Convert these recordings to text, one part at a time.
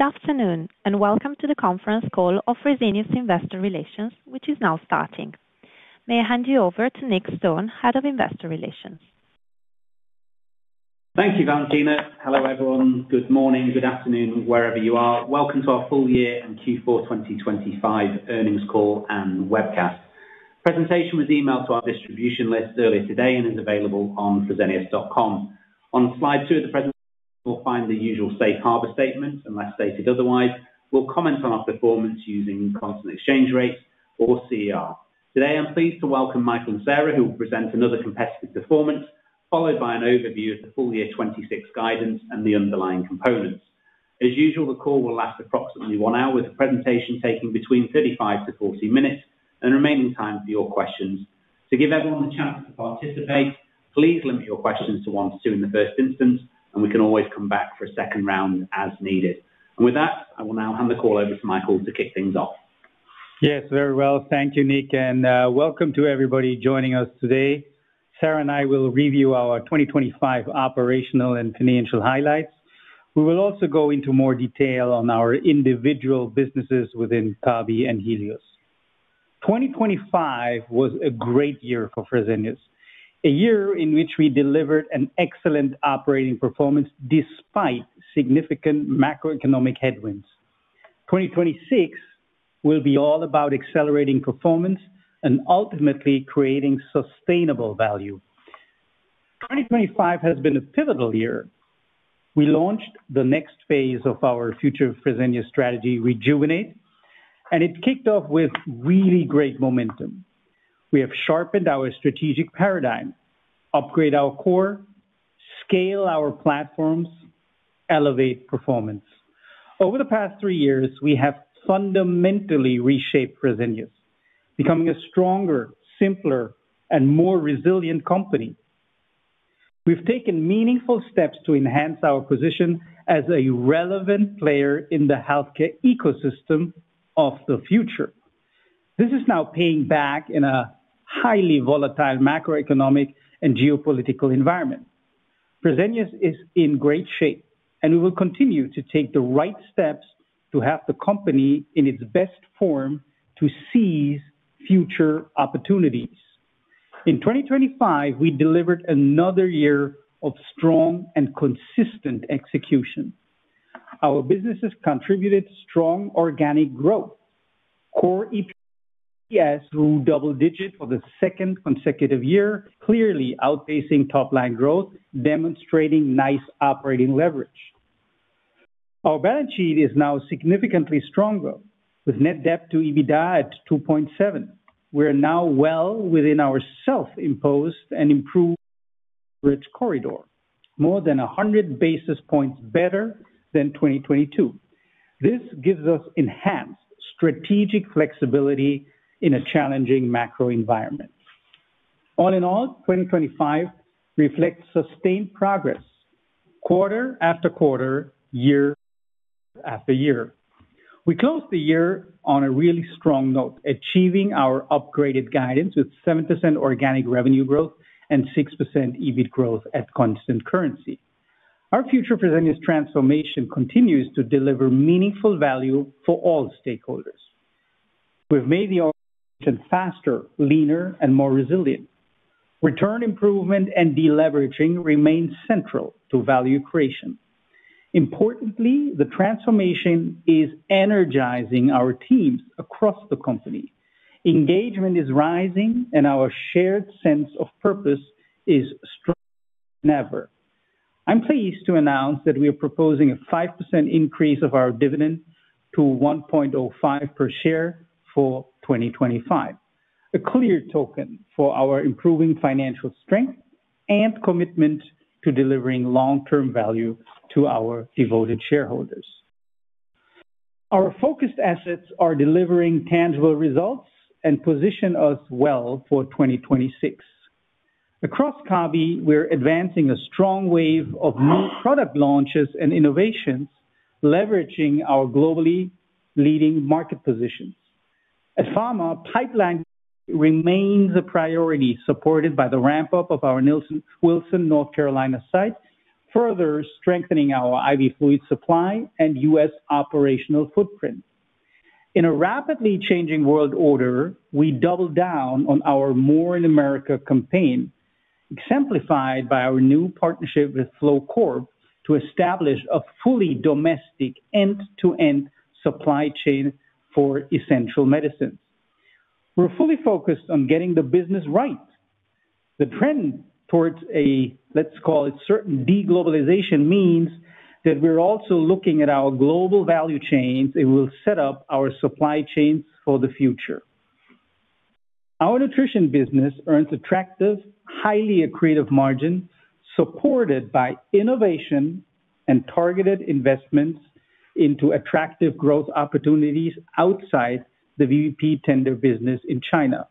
Good afternoon, and welcome to the conference call of Fresenius Investor Relations, which is now starting. May I hand you over to Niklas Stone, Head of Investor Relations. Thank you, Valentina. Hello, everyone. Good morning, good afternoon, wherever you are. Welcome to our Full Year and Q4 2025 Earnings Call and Webcast. Presentation was emailed to our distribution list earlier today and is available on fresenius.com. On Slide 2 of the presentation, you will find the usual safe harbor statement. Unless stated otherwise, we'll comment on our performance using constant exchange rates or CER. Today, I'm pleased to welcome Michael and Sarah, who will present another competitive performance, followed by an overview of the full year 2026 guidance and the underlying components. As usual, the call will last approximately one hour, with the presentation taking between 35-40 minutes and remaining time for your questions. To give everyone a chance to participate, please limit your questions to one to two in the first instance, and we can always come back for a second round as needed. With that, I will now hand the call over to Michael to kick things off. Yes, very well. Thank you, Kis .Nghts. We will also go into more detail on our individual businesses within Kabi and Helios. 2025 was a great year for Fresenius. A year in which we delivered an excellent operating performance despite significant macroeconomic headwinds. 2026 will be all about accelerating performance and ultimately creating sustainable value. 2025 has been a pivotal year. We launched the next phase of our #FutureFresenius strategy, Rejuvenate, and it kicked off with really great momentum. We have sharpened our strategic paradigm, upgrade our core, scale our platforms, elevate performance. Over the past three years, we have fundamentally reshaped Fresenius, becoming a stronger, simpler, and more resilient company. We've taken meaningful steps to enhance our position as a relevant player in the healthcare ecosystem of the future. This is now paying back in a highly volatile macroeconomic and geopolitical environment. Fresenius is in great shape, and we will continue to take the right steps to have the company in its best form to seize future opportunities. In 2025, we delivered another year of strong and consistent execution. Our businesses contributed strong organic growth. Core EPS grew double digits for the second consecutive year, clearly outpacing top-line growth, demonstrating nice operating leverage. Our balance sheet is now significantly stronger, with Net Debt to EBITDA at 2.7. We are now well within our self-imposed and improved rich corridor, more than 100 basis points better than 2022. This gives us enhanced strategic flexibility in a challenging macro environment. All in all, 2025 reflects sustained progress quarter after quarter, year after year. We closed the year on a really strong note, achieving our upgraded guidance with 7% organic revenue growth and 6% EBIT growth at constant currency. Our Future Fresenius transformation continues to deliver meaningful value for all stakeholders. We've made the option faster, leaner, and more resilient. Return improvement and deleveraging remains central to value creation. Importantly, the transformation is energizing our teams across the company. Engagement is rising. Our shared sense of purpose is stronger than ever. I'm pleased to announce that we are proposing a 5% increase of our dividend to 1.05 per share for 2025. A clear token for our improving financial strength and commitment to delivering long-term value to our devoted shareholders. Our focused assets are delivering tangible results and position us well for 2026. Across Kabi, we're advancing a strong wave of new product launches and innovations, leveraging our globally leading market positions. At Pharma, pipeline remains a priority, supported by the ramp-up of our Wilson, North Carolina site, further strengthening our IV fluid supply and US operational footprint. In a rapidly changing world order, we double down on our More in America campaign, exemplified by our new partnership with Phlow Corp. to establish a fully domestic end-to-end supply chain for essential medicines. We're fully focused on getting the business right. The trend towards a, let's call it, certain de-globalization means that we're also looking at our global value chains, it will set up our supply chains for the future. Our nutrition business earns attractive, highly accretive margins, supported by innovation and targeted investments into attractive growth opportunities outside the VBP tender business in China.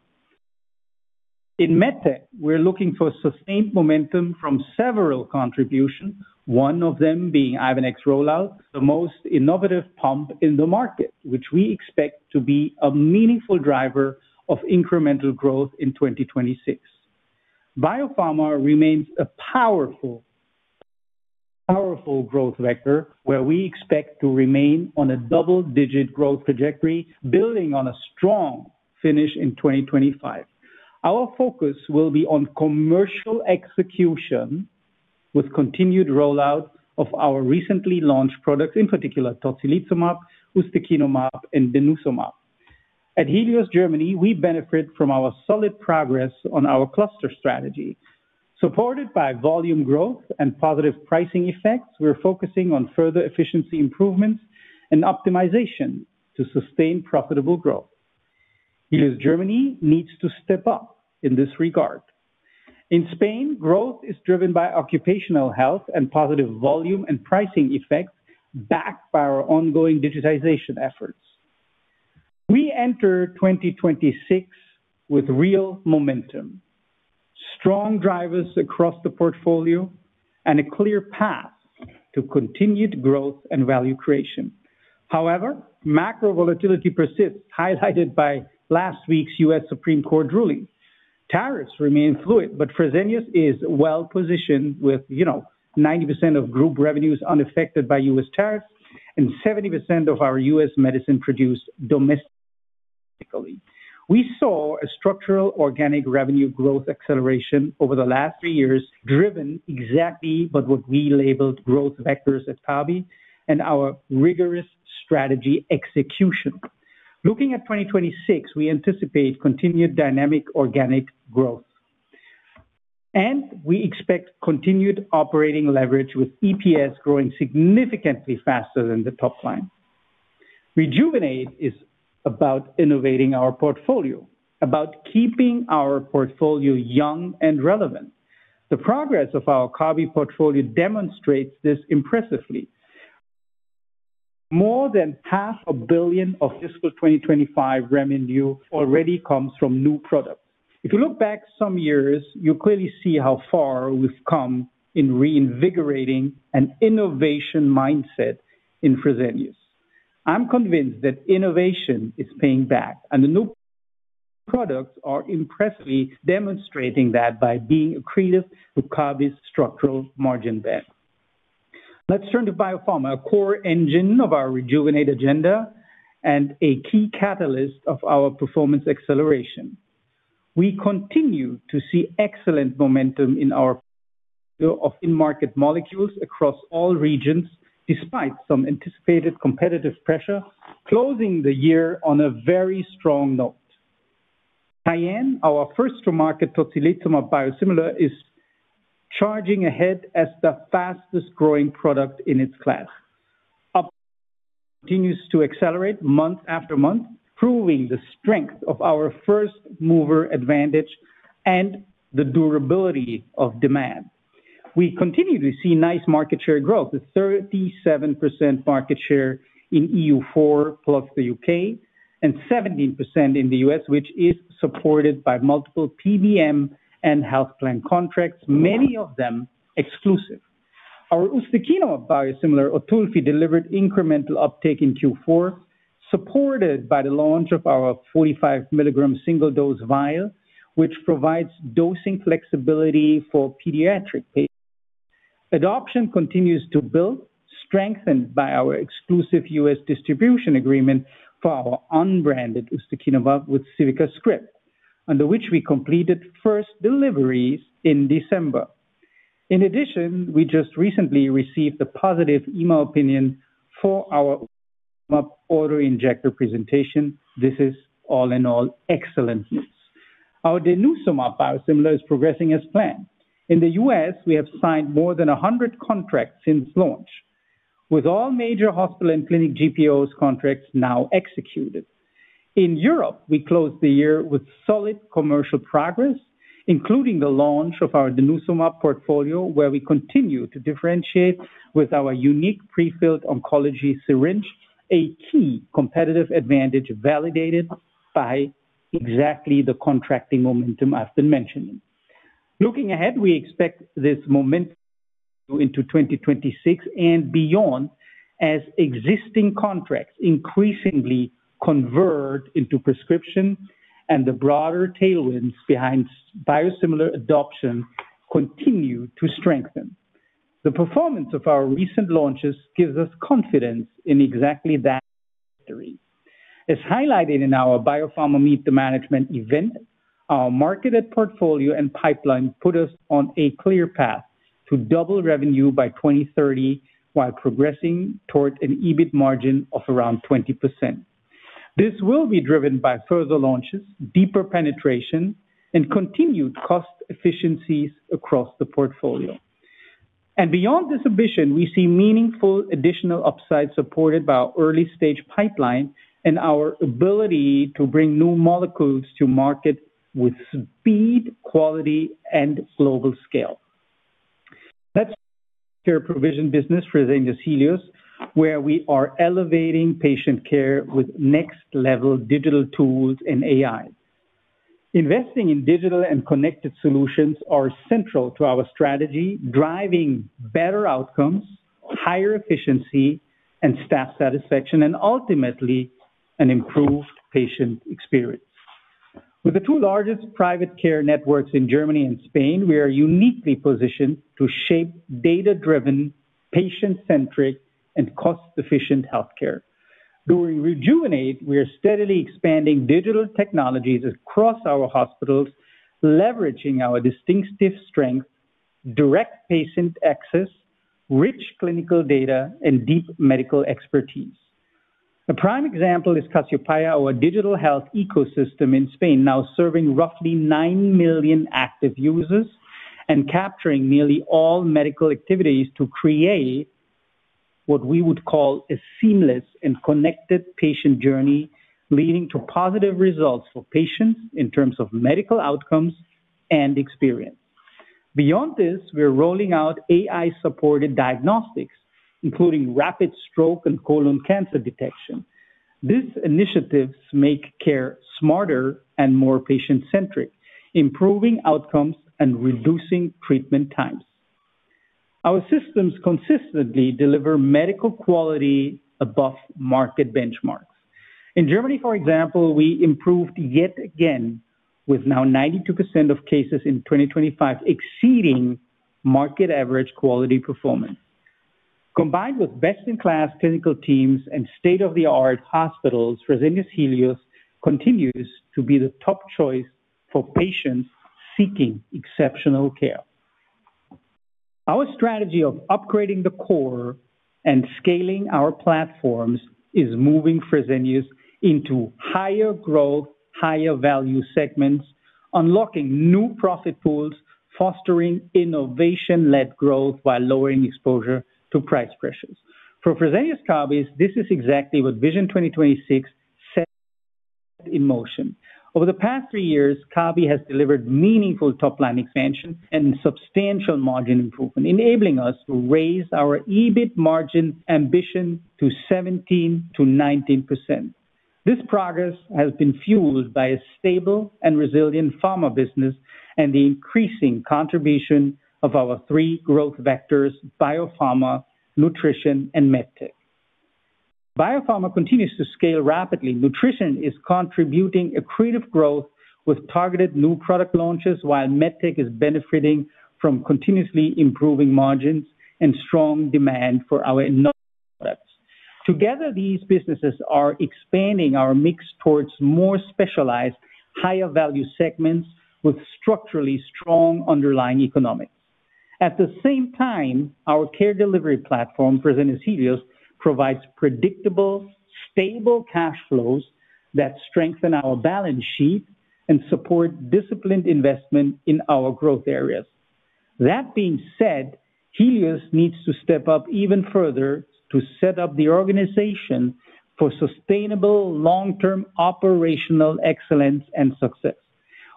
In Medtech, we're looking for sustained momentum from several contributions, one of them being Ivenix rollout, the most innovative pump in the market, which we expect to be a meaningful driver of incremental growth in 2026. Biopharma remains a powerful growth vector, where we expect to remain on a double-digit growth trajectory, building on a strong finish in 2025. Our focus will be on commercial execution with continued rollout of our recently launched products, in particular tocilizumab, ustekinumab, and denosumab. At Helios Germany, we benefit from our solid progress on our cluster strategy. Supported by volume growth and positive pricing effects, we're focusing on further efficiency improvements and optimization to sustain profitable growth. Helios Germany needs to step up in this regard. In Spain, growth is driven by occupational health and positive volume and pricing effects, backed by our ongoing digitization efforts. We enter 2026 with real momentum, strong drivers across the portfolio, and a clear path to continued growth and value creation. However, macro volatility persists, highlighted by last week's U.S. Supreme Court ruling. Tariffs remain fluid, but Fresenius is well-positioned with, you know, 90% of group revenues unaffected by U.S. tariffs and 70% of our U.S. medicine produced domestically. We saw a structural organic revenue growth acceleration over the last three years, driven exactly by what we labeled growth vectors at Kabi and our rigorous strategy execution. Looking at 2026, we anticipate continued dynamic organic growth, and we expect continued operating leverage, with EPS growing significantly faster than the top line. Rejuvenate is about innovating our portfolio, about keeping our portfolio young and relevant. The progress of our Kabi portfolio demonstrates this impressively. More than EUR half a billion of fiscal 2025 revenue already comes from new products. If you look back some years, you clearly see how far we've come in reinvigorating an innovation mindset in Fresenius. I'm convinced that innovation is paying back, and the new products are impressively demonstrating that by being accretive to Kabi's structural margin back. Let's turn to Biopharma, a core engine of our Rejuvenate agenda and a key catalyst of our performance acceleration. We continue to see excellent momentum in our of in-market molecules across all regions, despite some anticipated competitive pressure, closing the year on a very strong note. Tyenne, our first-to-market tocilizumab biosimilar, is charging ahead as the fastest-growing product in its class. Continues to accelerate month after month, proving the strength of our first-mover advantage and the durability of demand. We continue to see nice market share growth, with 37% market share in EU4, plus the U.K., and 17% in the U.S., which is supported by multiple PBM and health plan contracts, many of them exclusive. Our ustekinumab biosimilar, Otulfi, delivered incremental uptake in Q4, supported by the launch of our 45 milligram single-dose vial, which provides dosing flexibility for pediatric patients. Adoption continues to build, strengthened by our exclusive U.S. distribution agreement for our unbranded ustekinumab with CivicaScript, under which we completed first deliveries in December. We just recently received a positive EMA opinion for our auto-injector presentation. This is, all in all, excellent news. Our denosumab biosimilar is progressing as planned. In the U.S., we have signed more than 100 contracts since launch, with all major hospital and clinic GPOs contracts now executed. In Europe, we closed the year with solid commercial progress, including the launch of our denosumab portfolio, where we continue to differentiate with our unique prefilled oncology syringe, a key competitive advantage validated by exactly the contracting momentum I've been mentioning. Looking ahead, we expect this momentum into 2026 and beyond, as existing contracts increasingly convert into prescription and the broader tailwinds behind biosimilar adoption continue to strengthen. The performance of our recent launches gives us confidence in exactly that story. As highlighted in our Biopharma Meet the Management event, our marketed portfolio and pipeline put us on a clear path to double revenue by 2030, while progressing toward an EBIT margin of around 20%. This will be driven by further launches, deeper penetration, and continued cost efficiencies across the portfolio. Beyond this ambition, we see meaningful additional upside supported by our early-stage pipeline and our ability to bring new molecules to market with speed, quality, and global scale. Let's care provision business, Fresenius Helios, where we are elevating patient care with next-level digital tools and AI. Investing in digital and connected solutions are central to our strategy, driving better outcomes, higher efficiency and staff satisfaction, and ultimately, an improved patient experience. With the two largest private care networks in Germany and Spain, we are uniquely positioned to shape data-driven, patient-centric, and cost-efficient healthcare. During Rejuvenate, we are steadily expanding digital technologies across our hospitals, leveraging our distinctive strength, direct patient access, rich clinical data, and deep medical expertise. A prime example is Casiopea, our digital health ecosystem in Spain, now serving roughly 9 million active users and capturing nearly all medical activities to create what we would call a seamless and connected patient journey, leading to positive results for patients in terms of medical outcomes and experience. Beyond this, we are rolling out AI-supported diagnostics, including rapid stroke and colon cancer detection. These initiatives make care smarter and more patient-centric, improving outcomes and reducing treatment times. Our systems consistently deliver medical quality above market benchmarks. In Germany, for example, we improved yet again, with now 92% of cases in 2025 exceeding market average quality performance. Combined with best-in-class clinical teams and state-of-the-art hospitals, Fresenius Helios continues to be the top choice for patients seeking exceptional care. Our strategy of upgrading the core and scaling our platforms is moving Fresenius into higher growth, higher value segments, unlocking new profit pools, fostering innovation-led growth while lowering exposure to price pressures. For Fresenius Kabi, this is exactly what Vision 2026 set in motion. Over the past three years, Kabi has delivered meaningful top-line expansion and substantial margin improvement, enabling us to raise our EBIT margin ambition to 17%-19%. This progress has been fueled by a stable and resilient pharma business and the increasing contribution of our three growth vectors: Biopharma, nutrition, and Medtech. Biopharma continues to scale rapidly. Nutrition is contributing accretive growth with targeted new product launches, while Medtech is benefiting from continuously improving margins and strong demand for our products. Together, these businesses are expanding our mix towards more specialized, higher-value segments with structurally strong underlying economics. At the same time, our care delivery platform, Fresenius Helios, provides predictable, stable cash flows that strengthen our balance sheet and support disciplined investment in our growth areas. That being said, Helios needs to step up even further to set up the organization for sustainable, long-term operational excellence and success.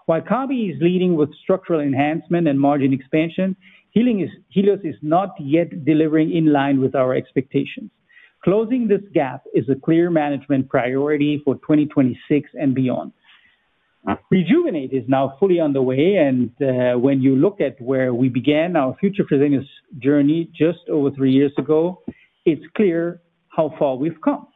While Kabi is leading with structural enhancement and margin expansion, Helios is not yet delivering in line with our expectations. Closing this gap is a clear management priority for 2026 and beyond. Rejuvenate is now fully underway, and when you look at where we began our Future Fresenius journey just over three years ago, it's clear how far we've come.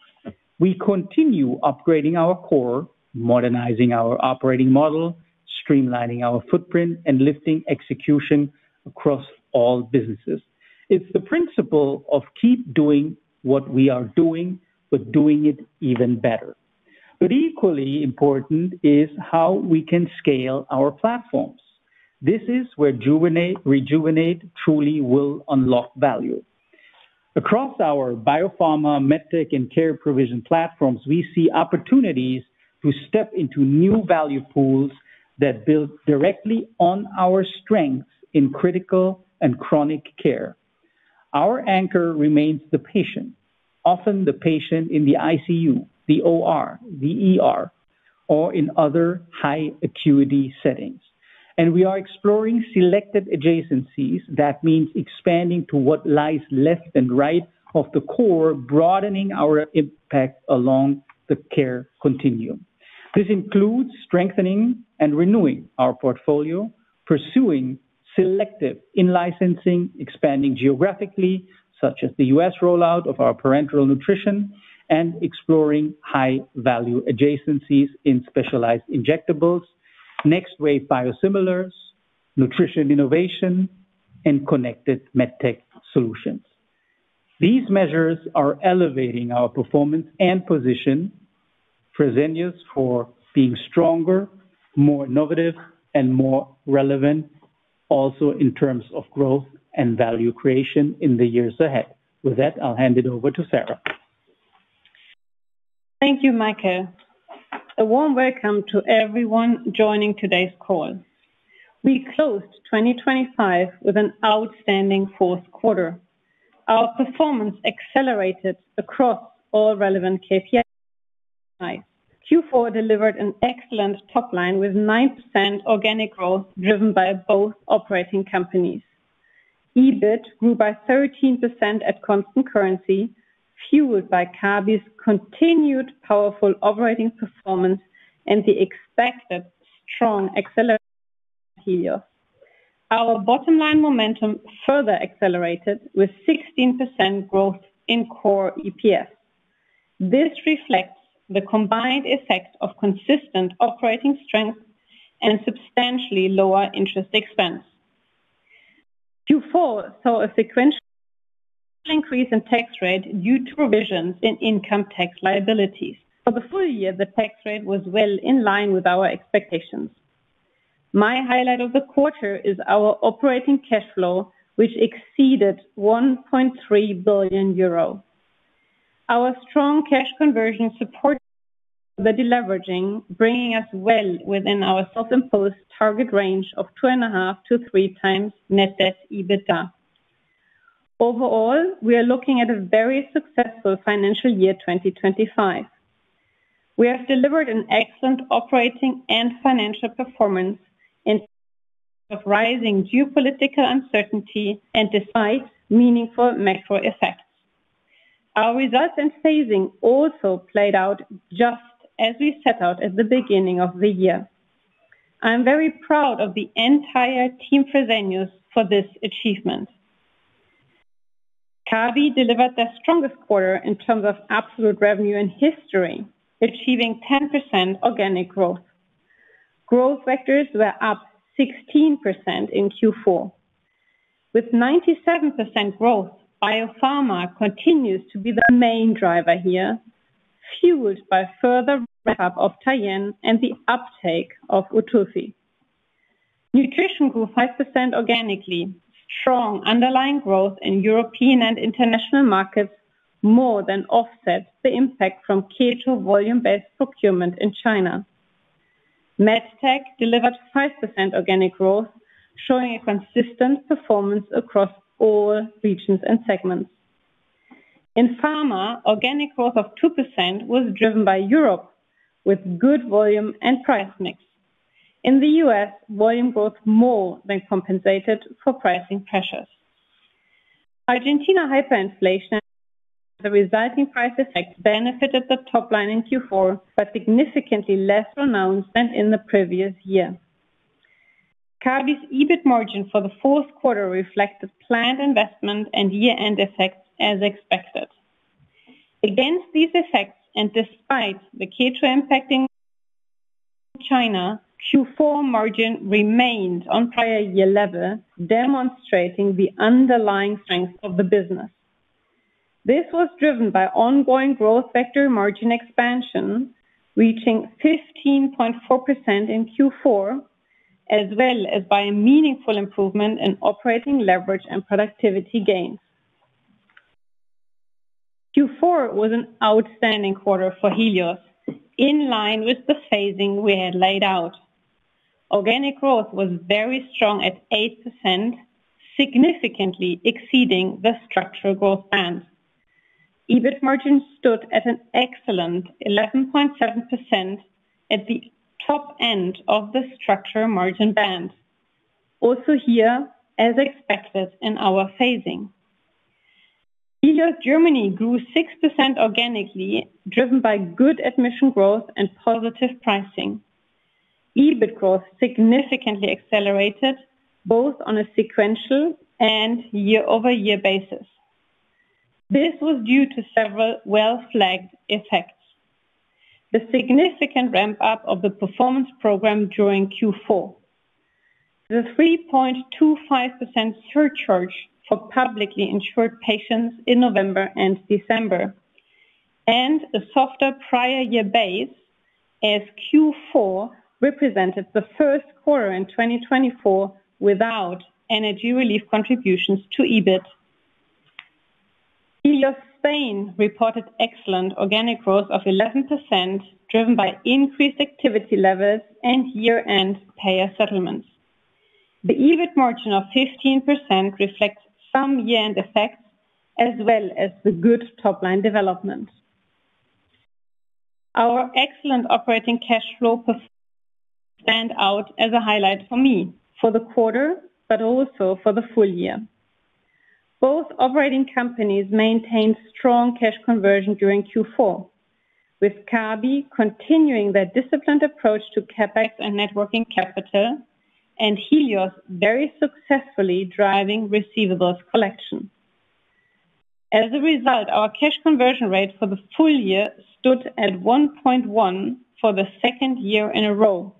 We continue upgrading our core, modernizing our operating model, streamlining our footprint, and lifting execution across all businesses. It's the principle of keep doing what we are doing, but doing it even better. Equally important is how we can scale our platforms. This is where Rejuvenate truly will unlock value. Across our biopharma, medtech, and care provision platforms, we see opportunities to step into new value pools that build directly on our strengths in critical and chronic care. Our anchor remains the patient, often the patient in the ICU, the OR, the ER, or in other high-acuity settings. We are exploring selected adjacencies. That means expanding to what lies left and right of the core, broadening our impact along the care continuum. This includes strengthening and renewing our portfolio, pursuing selective in-licensing, expanding geographically, such as the U.S. rollout of our parenteral nutrition, and exploring high-value adjacencies in specialized injectables, next-wave biosimilars, nutrition innovation, and connected medtech solutions. These measures are elevating our performance and position Fresenius for being stronger, more innovative, and more relevant, also in terms of growth and value creation in the years ahead. With that, I'll hand it over to Sarah. Thank you, Michael. A warm welcome to everyone joining today's call. We closed 2025 with an outstanding fourth quarter. Our performance accelerated across all relevant KPIs. Q4 delivered an excellent top line with 9% organic growth, driven by both operating companies. EBIT grew by 13% at constant currency, fueled by Kabi's continued powerful operating performance and the expected strong acceleration. Our bottom line momentum further accelerated with 16% growth in core EPS. This reflects the combined effect of consistent operating strength and substantially lower interest expense. Q4 saw a sequential increase in tax rate due to provisions in income tax liabilities. For the full year, the tax rate was well in line with our expectations. My highlight of the quarter is our operating cash flow, which exceeded 1.3 billion euro. Our strong cash conversion supports the deleveraging, bringing us well within our self-imposed target range of 2.5-3x Net Debt to EBITA. Overall, we are looking at a very successful financial year, 2025. We have delivered an excellent operating and financial performance in of rising geopolitical uncertainty and despite meaningful macro effects. Our results and phasing also played out just as we set out at the beginning of the year. I am very proud of the entire team for Fresenius for this achievement. Kabi delivered their strongest quarter in terms of absolute revenue in history, achieving 10% organic growth. Growth vectors were up 16% in Q4. With 97% growth, Biopharma continues to be the main driver here, fueled by further ramp-up of Tyenne and the uptake of Otulfi. Nutrition grew 5% organically. Strong underlying growth in European and international markets more than offset the impact from K2 volume-based procurement in China. Medtech delivered 5% organic growth, showing a consistent performance across all regions and segments. In Pharma, organic growth of 2% was driven by Europe, with good volume and price mix. In the U.S., volume growth more than compensated for pricing pressures. Argentina hyperinflation, the resulting price effects benefited the top line in Q4, but significantly less pronounced than in the previous year. Kabi's EBIT margin for the fourth quarter reflected planned investment and year-end effects as expected. Against these effects, and despite the K2 impacting China, Q4 margin remained on prior year level, demonstrating the underlying strength of the business. This was driven by ongoing growth factor margin expansion, reaching 15.4% in Q4, as well as by a meaningful improvement in operating leverage and productivity gains. Q4 was an outstanding quarter for Helios, in line with the phasing we had laid out. Organic growth was very strong at 8%, significantly exceeding the structural growth bands. EBIT margin stood at an excellent 11.7% at the top end of the structure margin band. Here, as expected in our phasing. Helios Germany grew 6% organically, driven by good admission growth and positive pricing. EBIT growth significantly accelerated both on a sequential and year-over-year basis. This was due to several well-flagged effects. The significant ramp-up of the performance program during Q4, the 3.25% surcharge for publicly insured patients in November and December, and a softer prior year base as Q4 represented the first quarter in 2024 without energy relief contributions to EBIT. Helios Spain reported excellent organic growth of 11%, driven by increased activity levels and year-end payer settlements. The EBIT margin of 15% reflects some year-end effects as well as the good top-line development. Our excellent operating cash flow stand out as a highlight for me for the quarter, but also for the full year. Both operating companies maintained strong cash conversion during Q4, with Kabi continuing their disciplined approach to CapEx and networking capital, and Helios very successfully driving receivables collection. As a result, our cash conversion rate for the full year stood at 1.1 for the second year in a row,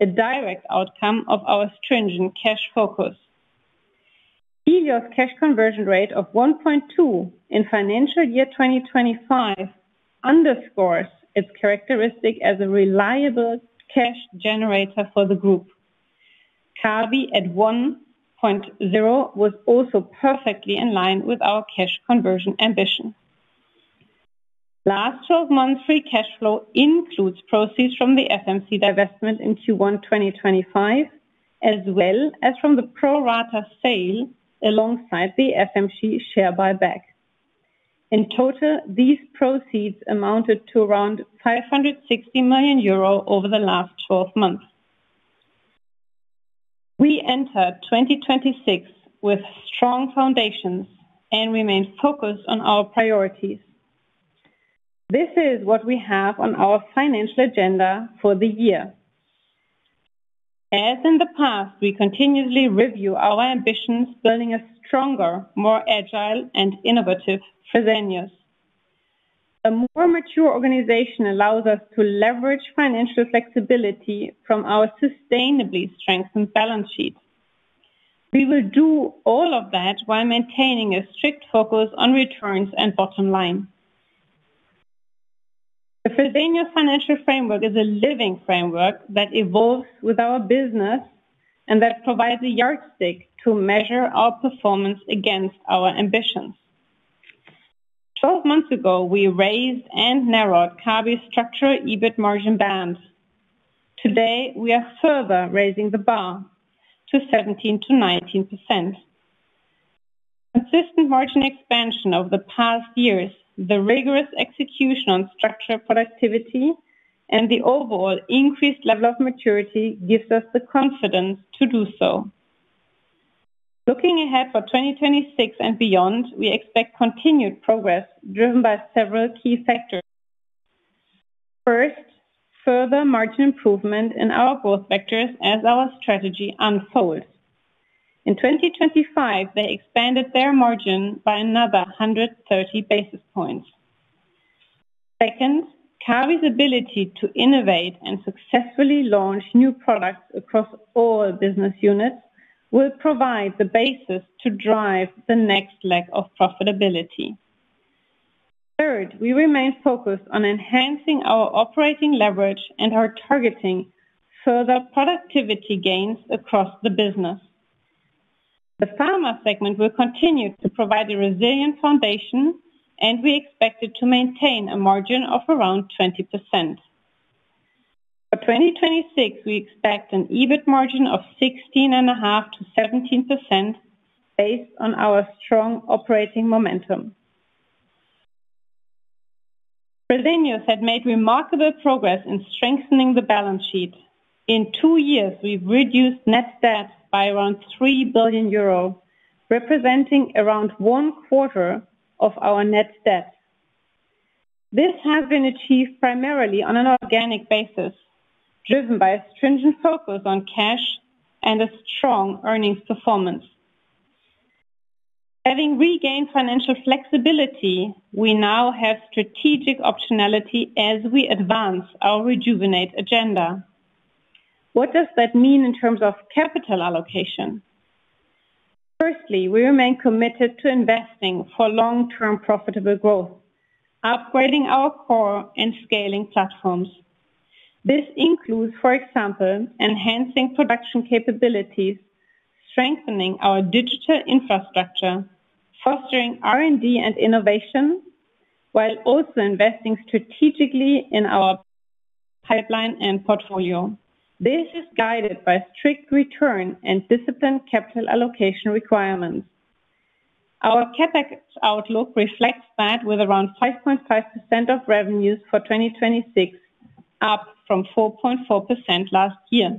a direct outcome of our stringent cash focus. Helios cash conversion rate of 1.2 in financial year 2025 underscores its characteristic as a reliable cash generator for the group. Kabi, at 1.0, was also perfectly in line with our cash conversion ambition. Last 12-month free cash flow includes proceeds from the FMC divestment in Q1 2025, as well as from the pro rata sale alongside the FMC share buyback. In total, these proceeds amounted to around 560 million euro over the last 12 months. We enter 2026 with strong foundations and remain focused on our priorities. This is what we have on our financial agenda for the year. As in the past, we continuously review our ambitions, building a stronger, more agile, and innovative Fresenius. A more mature organization allows us to leverage financial flexibility from our sustainably strengthened balance sheet. We will do all of that while maintaining a strict focus on returns and bottom line. The Fresenius Financial Framework is a living framework that evolves with our business and that provides a yardstick to measure our performance against our ambitions. 12 months ago, we raised and narrowed Kabi's structural EBIT margin bands. Today, we are further raising the bar to 17%-19%. Consistent margin expansion over the past years, the rigorous execution on structural productivity, and the overall increased level of maturity gives us the confidence to do so. Looking ahead for 2026 and beyond, we expect continued progress, driven by several key factors. First, further margin improvement in our growth vectors as our strategy unfolds. In 2025, they expanded their margin by another 130 basis points. Second, Kabi's ability to innovate and successfully launch new products across all business units will provide the basis to drive the next leg of profitability. Third, we remain focused on enhancing our operating leverage and are targeting further productivity gains across the business. The pharma segment will continue to provide a resilient foundation, and we expect it to maintain a margin of around 20%. By 2026, we expect an EBIT margin of 16.5%-17%, based on our strong operating momentum. Fresenius had made remarkable progress in strengthening the balance sheet. In two years, we've reduced net debt by around 3 billion euro, representing around one quarter of our net debt. This has been achieved primarily on an organic basis, driven by a stringent focus on cash and a strong earnings performance. Having regained financial flexibility, we now have strategic optionality as we advance our Rejuvenate agenda. What does that mean in terms of capital allocation? Firstly, we remain committed to investing for long-term profitable growth, upgrading our core and scaling platforms. This includes, for example, enhancing production capabilities, strengthening our digital infrastructure, fostering R&D and innovation, while also investing strategically in our pipeline and portfolio. This is guided by strict return and disciplined capital allocation requirements. Our CapEx outlook reflects that with around 5.5% of revenues for 2026, up from 4.4% last year.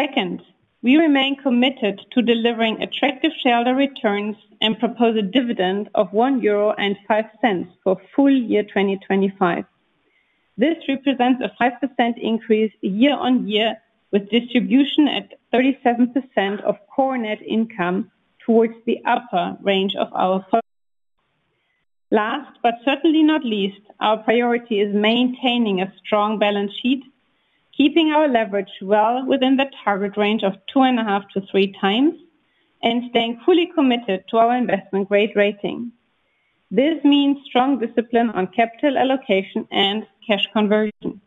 Second, we remain committed to delivering attractive shareholder returns and propose a dividend of 1.05 euro for full year 2025. This represents a 5% increase year-over-year, with distribution at 37% of core net income towards the upper range of our. Last, but certainly not least, our priority is maintaining a strong balance sheet, keeping our leverage well within the target range of 2.5x-3x, and staying fully committed to our investment grade rating. This means strong discipline on capital allocation and cash conversion.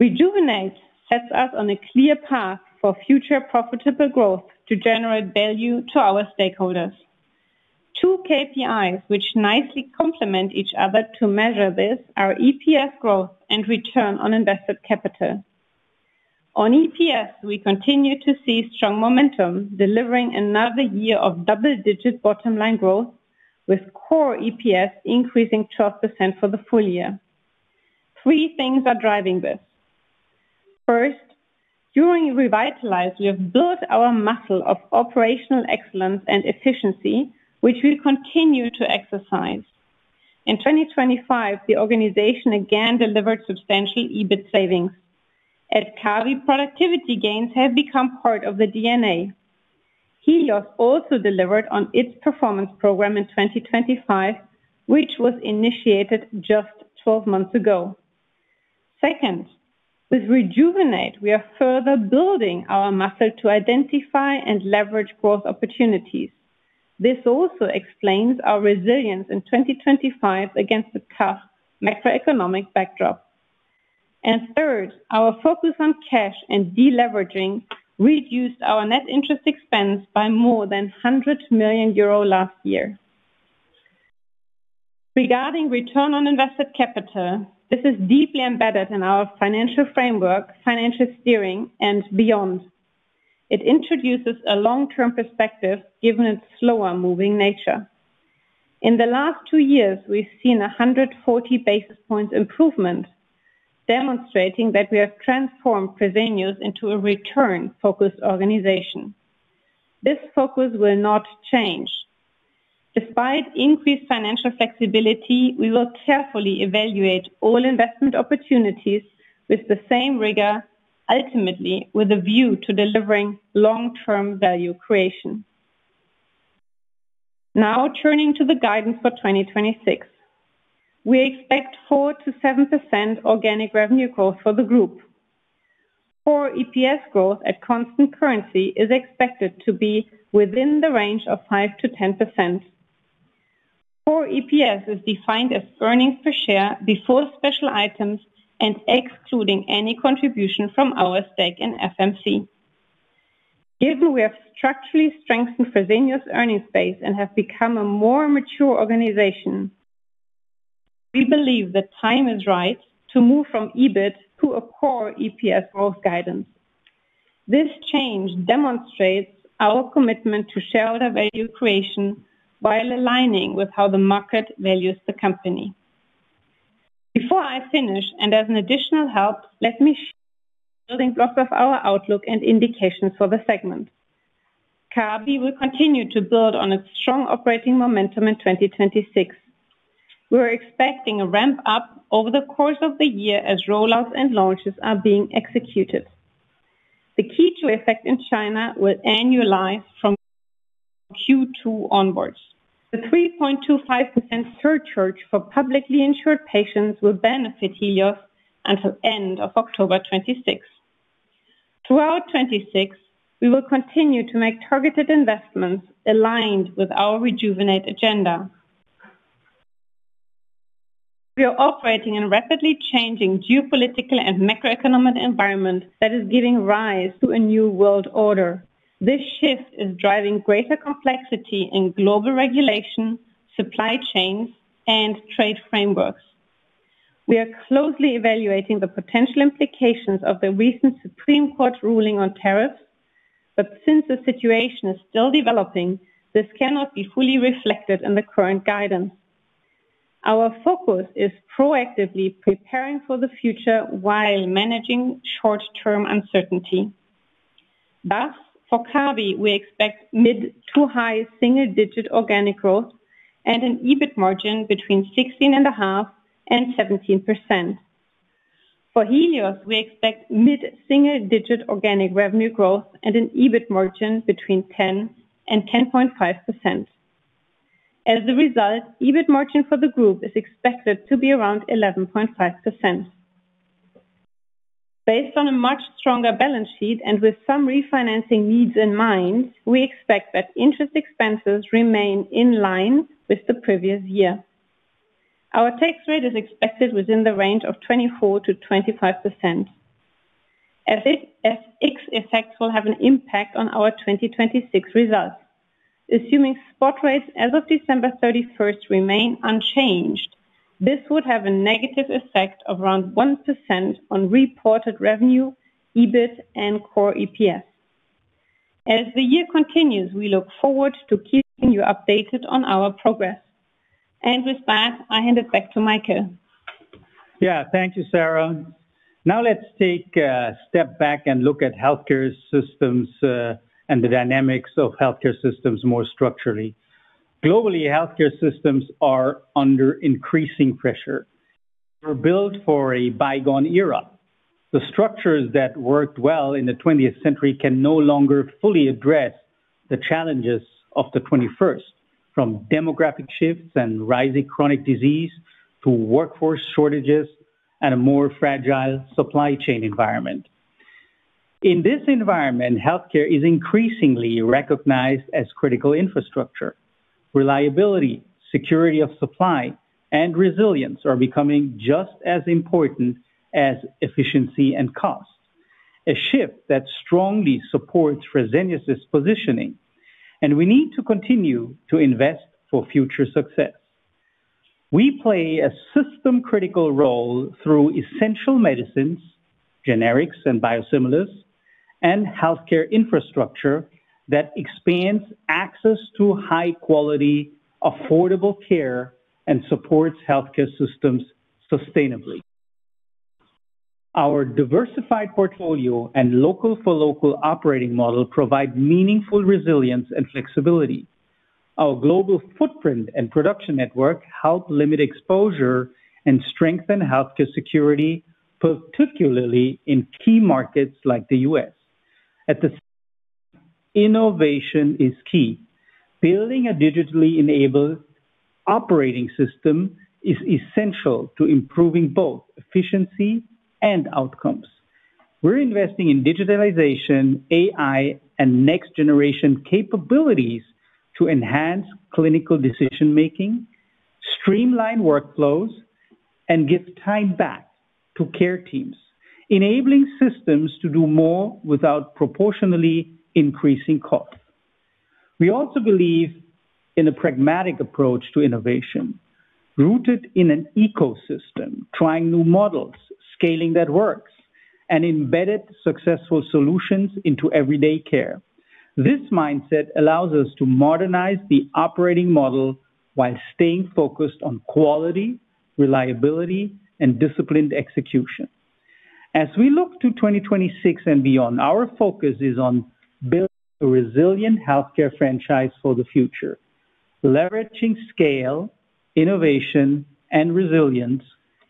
Rejuvenate sets us on a clear path for future profitable growth to generate value to our stakeholders. Two KPIs, which nicely complement each other to measure this, are EPS growth and return on invested capital. On EPS, we continue to see strong momentum, delivering another year of double-digit bottom-line growth, with Core EPS increasing 12% for the full year. Three things are driving this. First, during Revitalize, we have built our muscle of operational excellence and efficiency, which we continue to exercise. In 2025, the organization again delivered substantial EBIT savings. At Kabi, productivity gains have become part of the DNA. Helios also delivered on its performance program in 2025, which was initiated just 12 months ago. Second, with Rejuvenate, we are further building our muscle to identify and leverage growth opportunities. This also explains our resilience in 2025 against the tough macroeconomic backdrop. Third, our focus on cash and deleveraging reduced our net interest expense by more than 100 million euro last year. Regarding return on invested capital, this is deeply embedded in our financial framework, financial steering, and beyond. It introduces a long-term perspective, given its slower moving nature. In the last two years, we've seen a 140 basis points improvement, demonstrating that we have transformed Fresenius into a return-focused organization. This focus will not change. Despite increased financial flexibility, we will carefully evaluate all investment opportunities with the same rigor, ultimately, with a view to delivering long-term value creation. Turning to the guidance for 2026. We expect 4%-7% organic revenue growth for the group. Core EPS growth at constant currency is expected to be within the range of 5%-10%. Core EPS is defined as earnings per share before special items and excluding any contribution from our stake in FMC. Given we have structurally strengthened Fresenius' earnings base and have become a more mature organization, we believe the time is right to move from EBIT to a Core EPS growth guidance. This change demonstrates our commitment to shareholder value creation, while aligning with how the market values the company. Before I finish, as an additional help, let me share building blocks of our outlook and indications for the segment. Kabi will continue to build on its strong operating momentum in 2026. We are expecting a ramp-up over the course of the year as rollouts and launches are being executed. The key to effect in China will annualize from Q2 onwards. The 3.25% surcharge for publicly insured patients will benefit Helios until end of October 2026. Throughout 2026, we will continue to make targeted investments aligned with our Rejuvenate agenda. We are operating in a rapidly changing geopolitical and macroeconomic environment that is giving rise to a new world order. This shift is driving greater complexity in global regulation, supply chains, and trade frameworks. We are closely evaluating the potential implications of the recent Supreme Court ruling on tariffs, but since the situation is still developing, this cannot be fully reflected in the current guidance. Our focus is proactively preparing for the future while managing short-term uncertainty. Thus, for Kabi, we expect mid to high single-digit organic growth and an EBIT margin between 16.5%-17%. For Helios, we expect mid-single-digit organic revenue growth and an EBIT margin between 10%-10.5%. As a result, EBIT margin for the group is expected to be around 11.5%. Based on a much stronger balance sheet and with some refinancing needs in mind, we expect that interest expenses remain in line with the previous year. Our tax rate is expected within the range of 24%-25%. As X effects will have an impact on our 2026 results, assuming spot rates as of December 31st remain unchanged, this would have a negative effect of around 1% on reported revenue, EBIT, and Core EPS. As the year continues, we look forward to keeping you updated on our progress. With that, I hand it back to Michael. Yeah. Thank you, Sarah. Let's take a step back and look at healthcare systems and the dynamics of healthcare systems more structurally. Globally, healthcare systems are under increasing pressure. They were built for a bygone era. The structures that worked well in the twentieth century can no longer fully address the challenges of the twenty-first, from demographic shifts and rising chronic disease to workforce shortages and a more fragile supply chain environment. In this environment, healthcare is increasingly recognized as critical infrastructure. Reliability, security of supply, and resilience are becoming just as important as efficiency and cost, a shift that strongly supports Fresenius' positioning, and we need to continue to invest for future success. We play a system-critical role through essential medicines, generics and biosimilars, and healthcare infrastructure that expands access to high quality, affordable care and supports healthcare systems sustainably. Our diversified portfolio and local-for-local operating model provide meaningful resilience and flexibility. Our global footprint and production network help limit exposure and strengthen healthcare security, particularly in key markets like the U.S. At the same, innovation is key. Building a digitally enabled operating system is essential to improving both efficiency and outcomes. We're investing in digitalization, AI, and next-generation capabilities to enhance clinical decision-making, streamline workflows, and give time back to care teams, enabling systems to do more without proportionally increasing costs. We also believe in a pragmatic approach to innovation, rooted in an ecosystem, trying new models, scaling that works, and embedded successful solutions into everyday care. This mindset allows us to modernize the operating model while staying focused on quality, reliability, and disciplined execution. As we look to 2026 and beyond, our focus is on building a resilient healthcare franchise for the future, leveraging scale, innovation, and resilience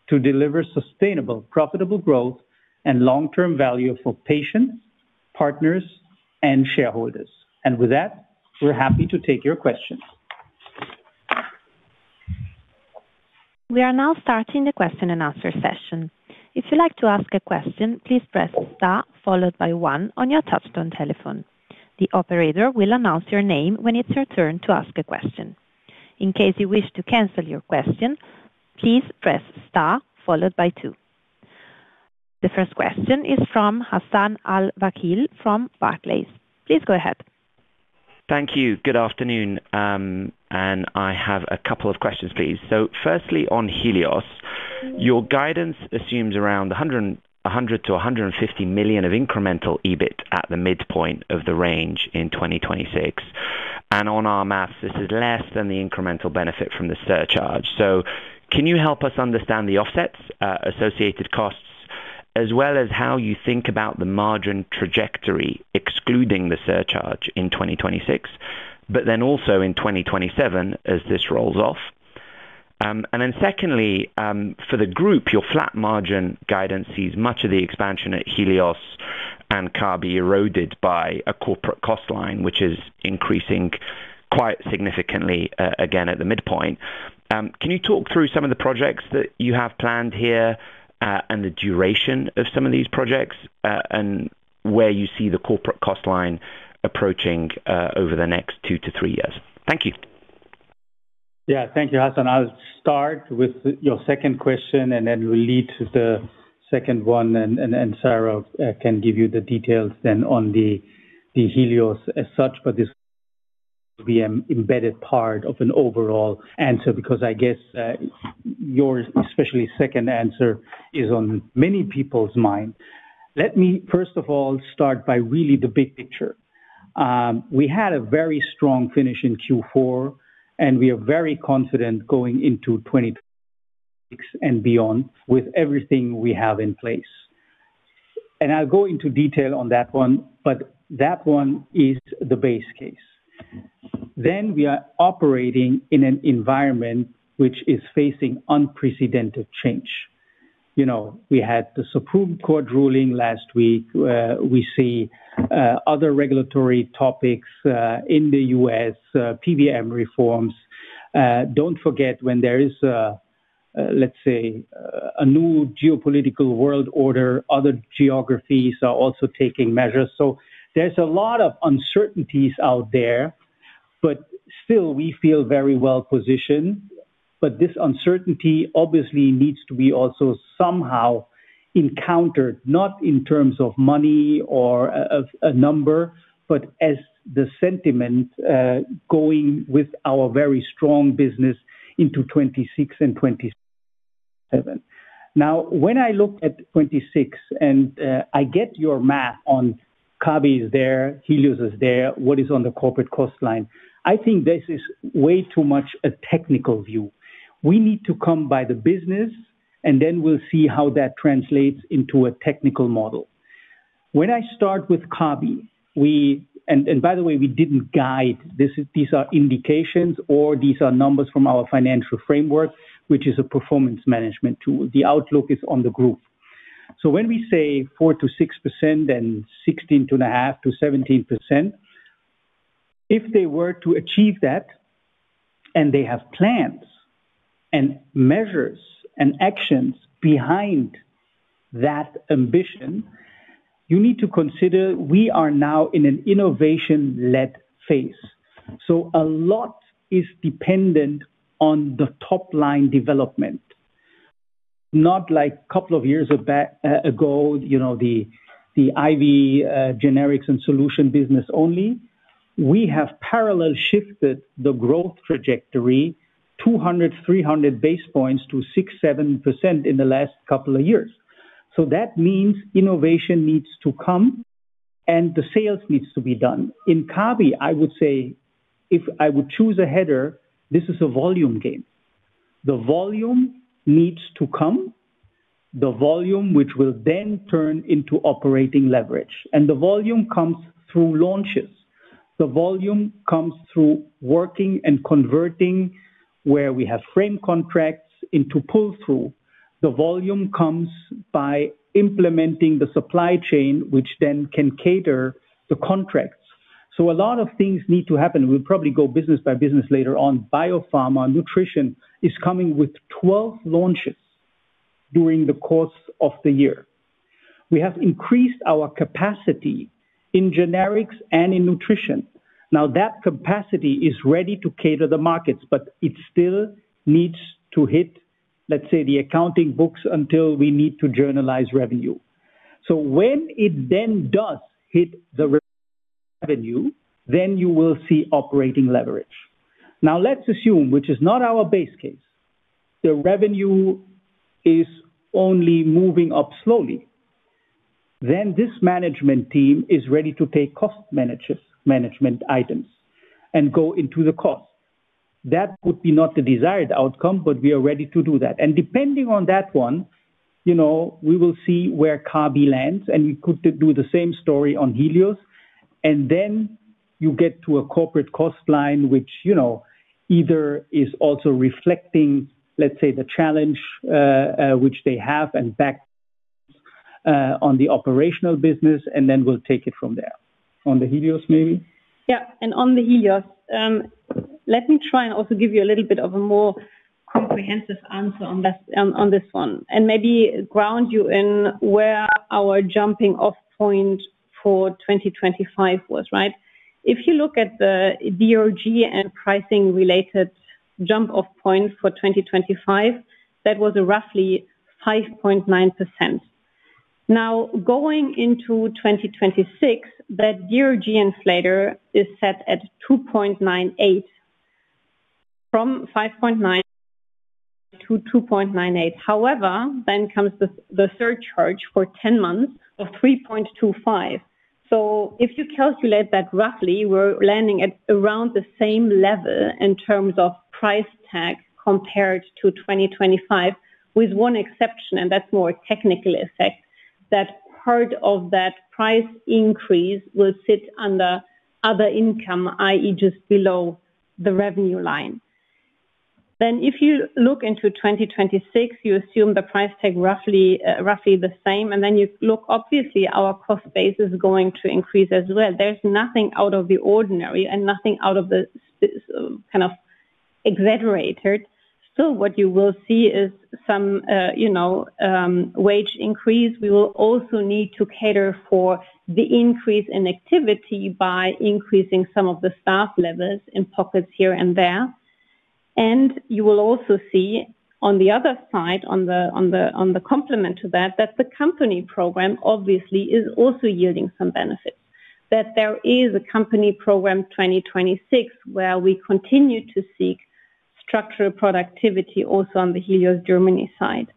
to deliver sustainable, profitable growth and long-term value for patients, partners, and shareholders. With that, we're happy to take your questions. We are now starting the question and answer session. If you'd like to ask a question, please press star followed by one on your touch-tone telephone. The operator will announce your name when it's your turn to ask a question. In case you wish to cancel your question, please press star followed by two. The first question is from Hassan Al-Wakeel, from Barclays. Please go ahead. Thank you. Good afternoon, I have a couple of questions, please. First, on Helios, your guidance assumes around 100 million-150 million of incremental EBIT at the midpoint of the range in 2026. On our math, this is less than the incremental benefit from the surcharge. Can you help us understand the offsets, associated costs, as well as how you think about the margin trajectory, excluding the surcharge in 2026, also in 2027, as this rolls off? Second, for the group, your flat margin guidance sees much of the expansion at Helios and Kabi eroded by a corporate cost line, which is increasing quite significantly, again, at the midpoint. Can you talk through some of the projects that you have planned here, and the duration of some of these projects, and where you see the corporate cost line approaching, over the next two to three years? Thank you. Yeah. Thank you, Hassan. I'll start with your second question, and then we'll lead to the second one, and Sarah can give you the details then on the Helios as such, but this will be an embedded part of an overall answer because I guess, your, especially second answer, is on many people's mind. Let me first of all, start by really the big picture. We had a very strong finish in Q4, and we are very confident going into 2026 and beyond with everything we have in place. I'll go into detail on that one, but that one is the base case. We are operating in an environment which is facing unprecedented change. You know, we had the Supreme Court ruling last week, we see other regulatory topics in the U.S., PBM reforms. Don't forget, when there is a, let's say, a new geopolitical world order, other geographies are also taking measures. There's a lot of uncertainties out there, but still, we feel very well positioned. This uncertainty obviously needs to be also somehow encountered, not in terms of money or a number, but as the sentiment, going with our very strong business into 2026 and 2027. When I look at 2026, and I get your math on Kabi is there, Helios is there, what is on the corporate cost line? I think this is way too much a technical view. We need to come by the business, and then we'll see how that translates into a technical model. When I start with Kabi, by the way, we didn't guide, these are indications or these are numbers from our Financial Framework, which is a performance management tool. The outlook is on the group. When we say 4%-6% and 16.5%-17%, if they were to achieve that, they have plans and measures and actions behind that ambition, you need to consider we are now in an innovation-led phase. A lot is dependent on the top-line development. Not like a couple of years back ago, you know, the IV generics and solution business only. We have parallel shifted the growth trajectory, 200-300 basis points to 6%-7% in the last couple of years. That means innovation needs to come and the sales needs to be done. In Kabi, I would say, if I would choose a header, this is a volume game. The volume needs to come, the volume which will then turn into operating leverage, and the volume comes through launches. The volume comes through working and converting, where we have frame contracts into pull-through. The volume comes by implementing the supply chain, which then can cater the contracts. A lot of things need to happen. We'll probably go business by business later on. Biopharma, nutrition is coming with 12 launches during the course of the year. We have increased our capacity in generics and in nutrition. Now, that capacity is ready to cater the markets, but it still needs to hit, let's say, the accounting books until we need to journalize revenue. When it then does hit the revenue, then you will see operating leverage. Let's assume, which is not our base case, the revenue is only moving up slowly. This management team is ready to take cost management items and go into the cost. That would be not the desired outcome, but we are ready to do that. Depending on that one, you know, we will see where Kabi lands, and we could do the same story on Helios. You get to a corporate cost line, which, you know, either is also reflecting, let's say, the challenge which they have and back on the operational business, and then we'll take it from there. On the Helios, maybe? On the Helios, let me try and also give you a little bit of a more comprehensive answer on this, on this one, and maybe ground you in where our jumping off point for 2025 was, right? If you look at the DRG and pricing related jump off point for 2025, that was roughly 5.9%. Going into 2026, that DRG inflator is set at 2.98%. From 5.9% to 2.98%. Then comes the surcharge for 10 months of 3.25%. If you calculate that roughly, we're landing at around the same level in terms of price tag compared to 2025, with one exception, and that's more a technical effect, that part of that price increase will sit under other income, i.e., just below the revenue line. If you look into 2026, you assume the price tag roughly the same. You look, obviously, our cost base is going to increase as well. There's nothing out of the ordinary and nothing out of the kind of exaggerated. Still, what you will see is some, you know, wage increase. We will also need to cater for the increase in activity by increasing some of the staff levels in pockets here and there. You will also see on the other side, on the complement to that the company program obviously is also yielding some benefits. That there is a company program, 2026, where we continue to seek structural productivity also on the Helios Germany side.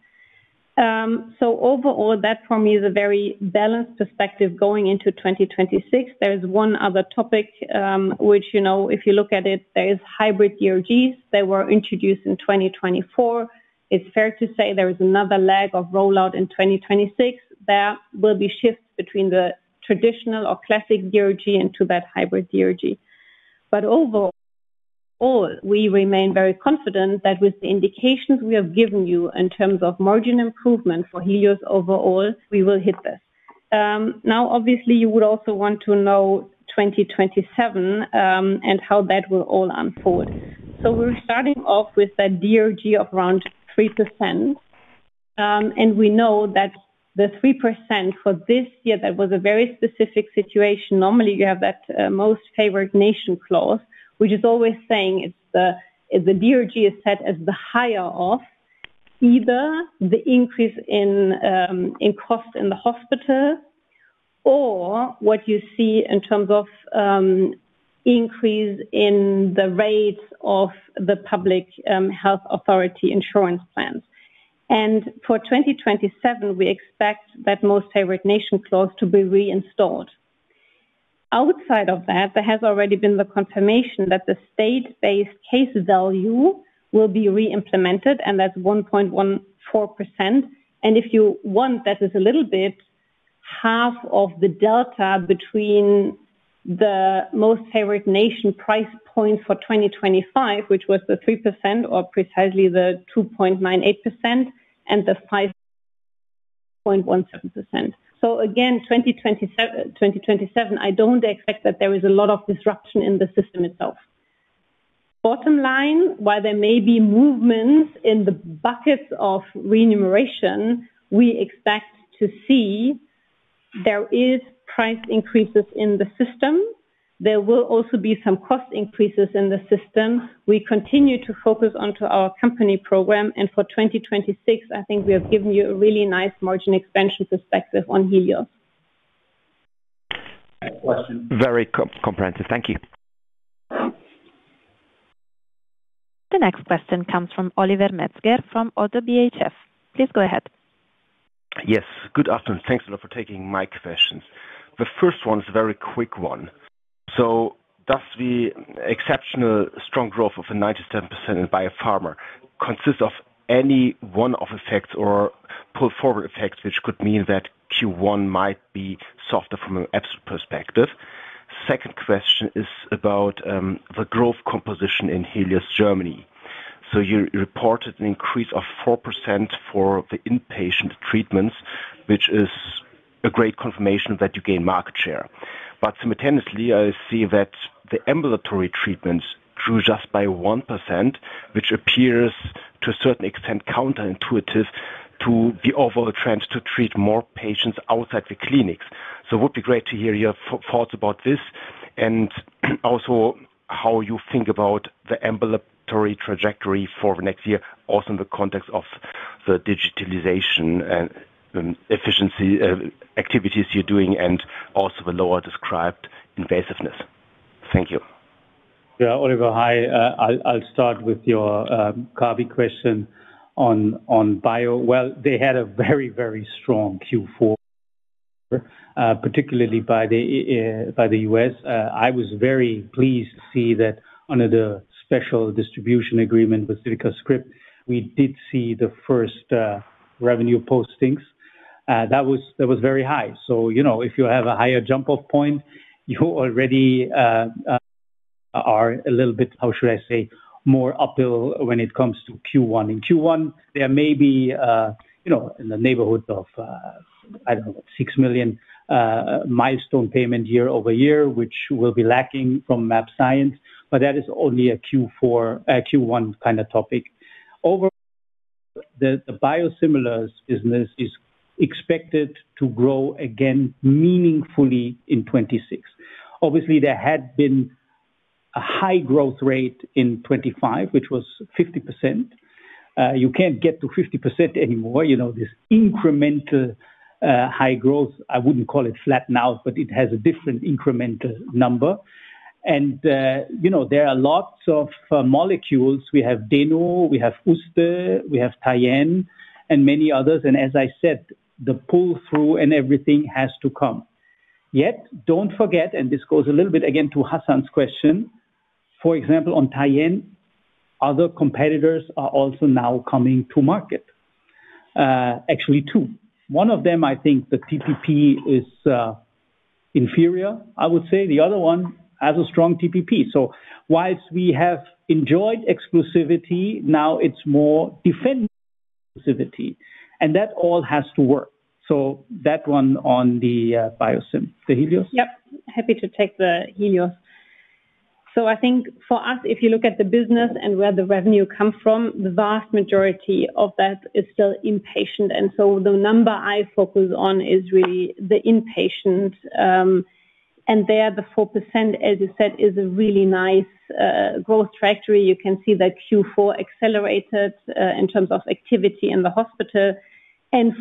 Overall, that for me is a very balanced perspective going into 2026. There is one other topic, you know, if you look at it, there is hybrid DRGs. They were introduced in 2024. It's fair to say there is another leg of rollout in 2026. There will be shifts between the traditional or classic DRG into that hybrid DRG. Overall, we remain very confident that with the indications we have given you in terms of margin improvement for Helios overall, we will hit this. Now, obviously, you would also want to know 2027, how that will all unfold. We're starting off with a DRG of around 3%, we know that the 3% for this year, that was a very specific situation. Normally, you have that most favored nation clause, which is always saying if the DRG is set as the higher of either the increase in cost in the hospital or what you see in terms of increase in the rates of the public health authority insurance plans. For 2027, we expect that most favored nation clause to be reinstalled. Outside of that, there has already been the confirmation that the state-based case value will be reimplemented, and that's 1.14%. If you want, that is a little bit half of the delta between the most favored nation price point for 2025, which was the 3%, or precisely the 2.98%, and the 5.17%. Again, 2027, I don't expect that there is a lot of disruption in the system itself. Bottom line, while there may be movements in the buckets of remuneration, we expect to see there is price increases in the system. There will also be some cost increases in the system. We continue to focus onto our company program, for 2026, I think we have given you a really nice margin expansion perspective on Helios. Very comprehensive. Thank you. The next question comes from Oliver Metzger, from ODDO BHF. Please go ahead. Yes, good afternoon. Thanks a lot for taking my questions. The first one is a very quick one. Does the exceptional strong growth of the 97% Biopharma consist of any one-off effects or pull forward effects, which could mean that Q1 might be softer from an absolute perspective? Second question is about the growth composition in Helios Germany. You reported an increase of 4% for the inpatient treatments, which is a great confirmation that you gain market share. Simultaneously, I see that the ambulatory treatments grew just by 1%, which appears, to a certain extent, counterintuitive to the overall trends to treat more patients outside the clinics. It would be great to hear your thoughts about this, and also how you think about the ambulatory trajectory for next year, also in the context of the digitalization and efficiency activities you're doing, and also the lower described invasiveness. Thank you. Yeah. Oliver, hi. I'll start with your Kabi question on bio. Well, they had a very strong Q4. Particularly by the U.S. I was very pleased to see that under the special distribution agreement with CivicaScript, we did see the first revenue postings. That was ve, but that is only a Q4, Q1 kind of topic. Over the biosimilars business is expected to grow again meaningfully in 2026. Obviously, there had been a high growth rate in 25, which was 50%. You can't get to 50% anymore. You know, this incremental high growth, I wouldn't call it flat now, but it has a different incremental number. You know, there are lots of molecules. We have Deno, we have Uste, we have Tyenne and many others. As I said, the pull-through and everything has to come. Don't forget, this goes a little bit, again, to Hassan's question. For example, on Tyenne, other competitors are also now coming to market. Actually, two. One of them, I think the TPP is inferior. I would say the other one has a strong TPP. Whilst we have enjoyed exclusivity, now it's more defend exclusivity, that all has to work. That one on the biosim. The Helios? Yes. Happy to take the Helios. I think for us, if you look at the business and where the revenue come from, the vast majority of that is still inpatient. The number I focus on is really the inpatient, and there, the 4%, as you said, is a really nice growth trajectory. You can see that Q4 accelerated in terms of activity in the hospital.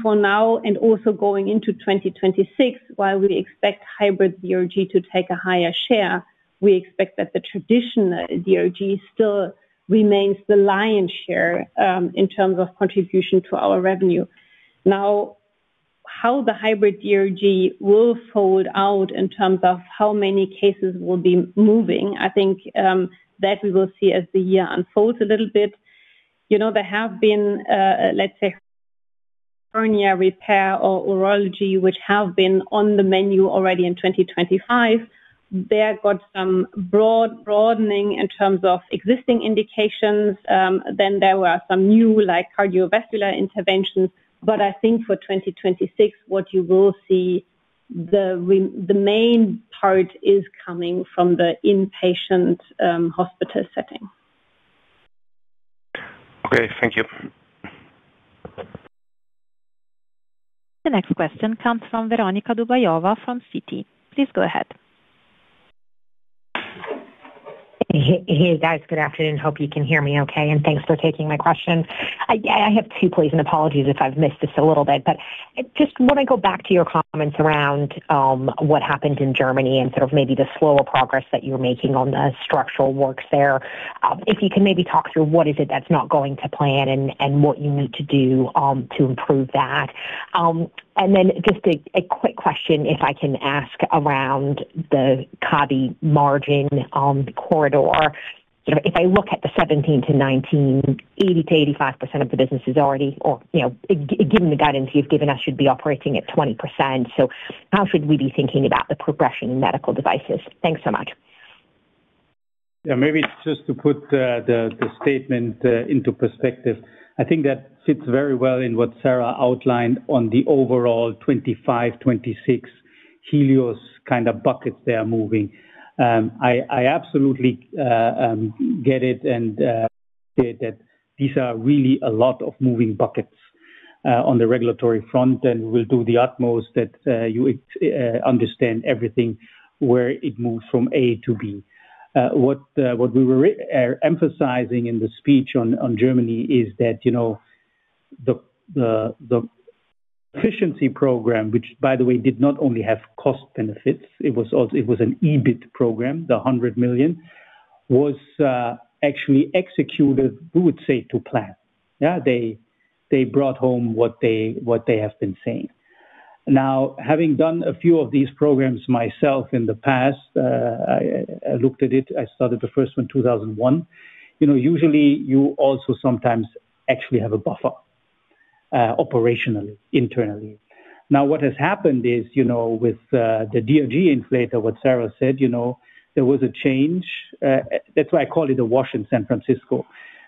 For now, and also going into 2026, while we expect Hybrid-DRG to take a higher share, we expect that the traditional DRG still remains the lion's share in terms of contribution to our revenue. Now, how the Hybrid-DRG will fold out in terms of how many cases will be moving, I think, that we will see as the year unfolds a little bit. You know, there have been, let's say, hernia repair or urology, which have been on the menu already in 2025. They got some broadening in terms of existing indications. Then there were some new, like cardiovascular interventions. I think for 2026, what you will see the main part is coming from the inpatient, hospital setting. Okay, thank you. The next question comes from Veronika Dubayova from Citi. Please go ahead. Hey, guys. Good afternoon. Hope you can hear me okay, and thanks for taking my question. I have two, please, and apologies if I've missed this a little bit. Just let me go back to your comments around what happened in Germany and sort of maybe the slower progress that you're making on the structural works there. If you can maybe talk through what is it that's not going to plan and what you need to do to improve that. Just a quick question, if I can ask around the Kabi margin on the corridor. You know, if I look at the 17-19, 80%-85% of the business is already or, you know, given the guidance you've given us, should be operating at 20%. How should we be thinking about the progression in medical devices? Thanks so much. Maybe just to put the statement into perspective, I think that fits very well in what Sarah outlined on the overall 25, 26 Helios kind of buckets they are moving. I absolutely get it and that these are really a lot of moving buckets on the regulatory front, and we'll do the utmost that you understand everything where it moves from A to B. What we were emphasizing in the speech on Germany is that, you know, the efficiency program, which by the way, did not only have cost benefits, it was an EBIT program. The 100 million was actually executed, we would say, to plan. They brought home what they have been saying. Having done a few of these programs myself in the past, I looked at it. I started the first one 2001. You know, usually you also sometimes actually have a buffer operationally, internally. What has happened is, you know, with the DRG inflator, what Sarah said, you know, there was a change. That's why I call it a wash in San Francisco.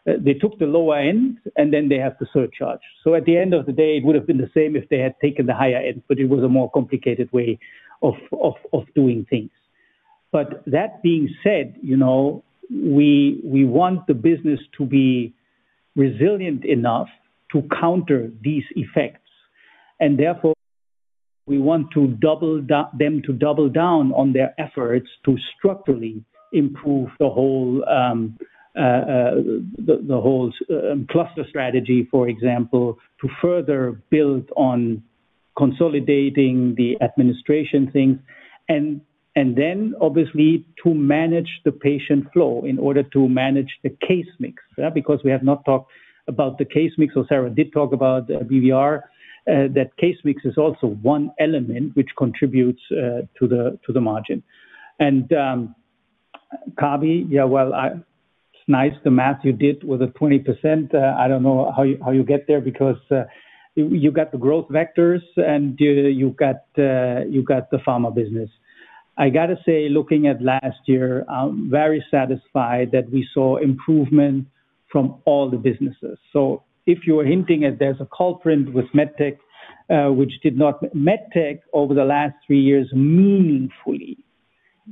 They took the lower end, and then they have to surcharge. At the end of the day, it would have been the same if they had taken the higher end. It was a more complicated way of doing things. That being said, you know, we want the business to be resilient enough to counter these effects, therefore, we want them to double down on their efforts to structurally improve the whole cluster strategy, for example, to further build on consolidating the administration things. Then obviously to manage the patient flow in order to manage the case mix, because we have not talked about the case mix, so Sarah did talk about BVR, that case mix is also one element which contributes to the margin. Kabi, well, it's nice, the math you did with the 20%. I don't know how you get there because you got the growth vectors and you got the pharma business. I got to say, looking at last year, I'm very satisfied that we saw improvement from all the businesses. If you are hinting that there's a culprit with Medtech, over the last 3 years, meaningfully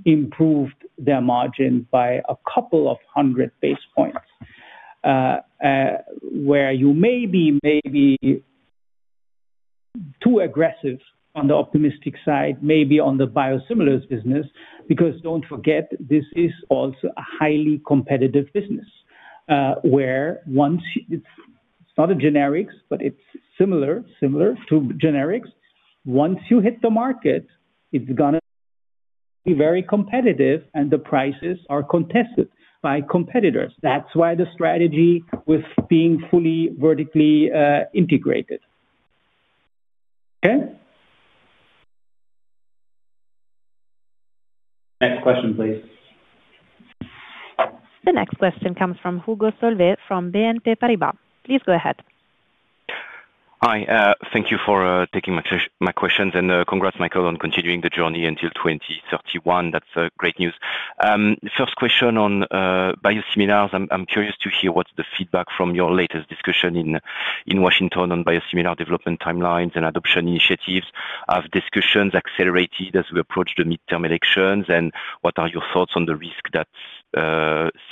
improved their margin by a couple of 100 base points. Where you may be too aggressive on the optimistic side, maybe on the biosimilars business, because don't forget, this is also a highly competitive business, where it's not a generics, but it's similar to generics. Once you hit the market, it's gonna be very competitive and the prices are contested by competitors. That's why the strategy was being fully vertically integrated. Okay? Next question, please. The next question comes from Hugo Solvet from BNP Paribas. Please go ahead. Hi, thank you for taking my questions, and congrats, Michael, on continuing the journey until 2031. That's great news. First question on biosimilars. I'm curious to hear what's the feedback from your latest discussion in Washington on biosimilar development timelines and adoption initiatives. Have discussions accelerated as we approach the midterm elections, and what are your thoughts on the risk that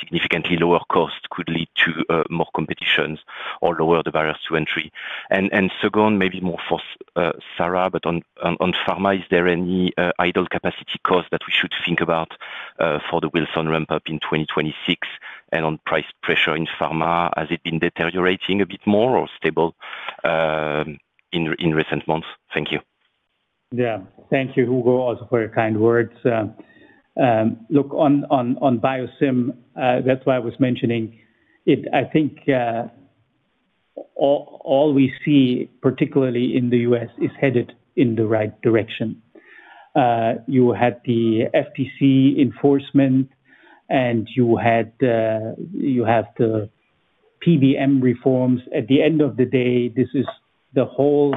significantly lower costs could lead to more competitions or lower the barriers to entry? Second, maybe more for Sarah, but on pharma, is there any idle capacity cost that we should think about for the Wilson ramp-up in 2026? On price pressure in pharma, has it been deteriorating a bit more or stable in recent months? Thank you. Yeah. Thank you, Hugo, also for your kind words. Look, on biosim, that's why I was mentioning it. I think all we see, particularly in the U.S., is headed in the right direction. You had the FTC enforcement, and you had, you have the PBM reforms. At the end of the day, this is the whole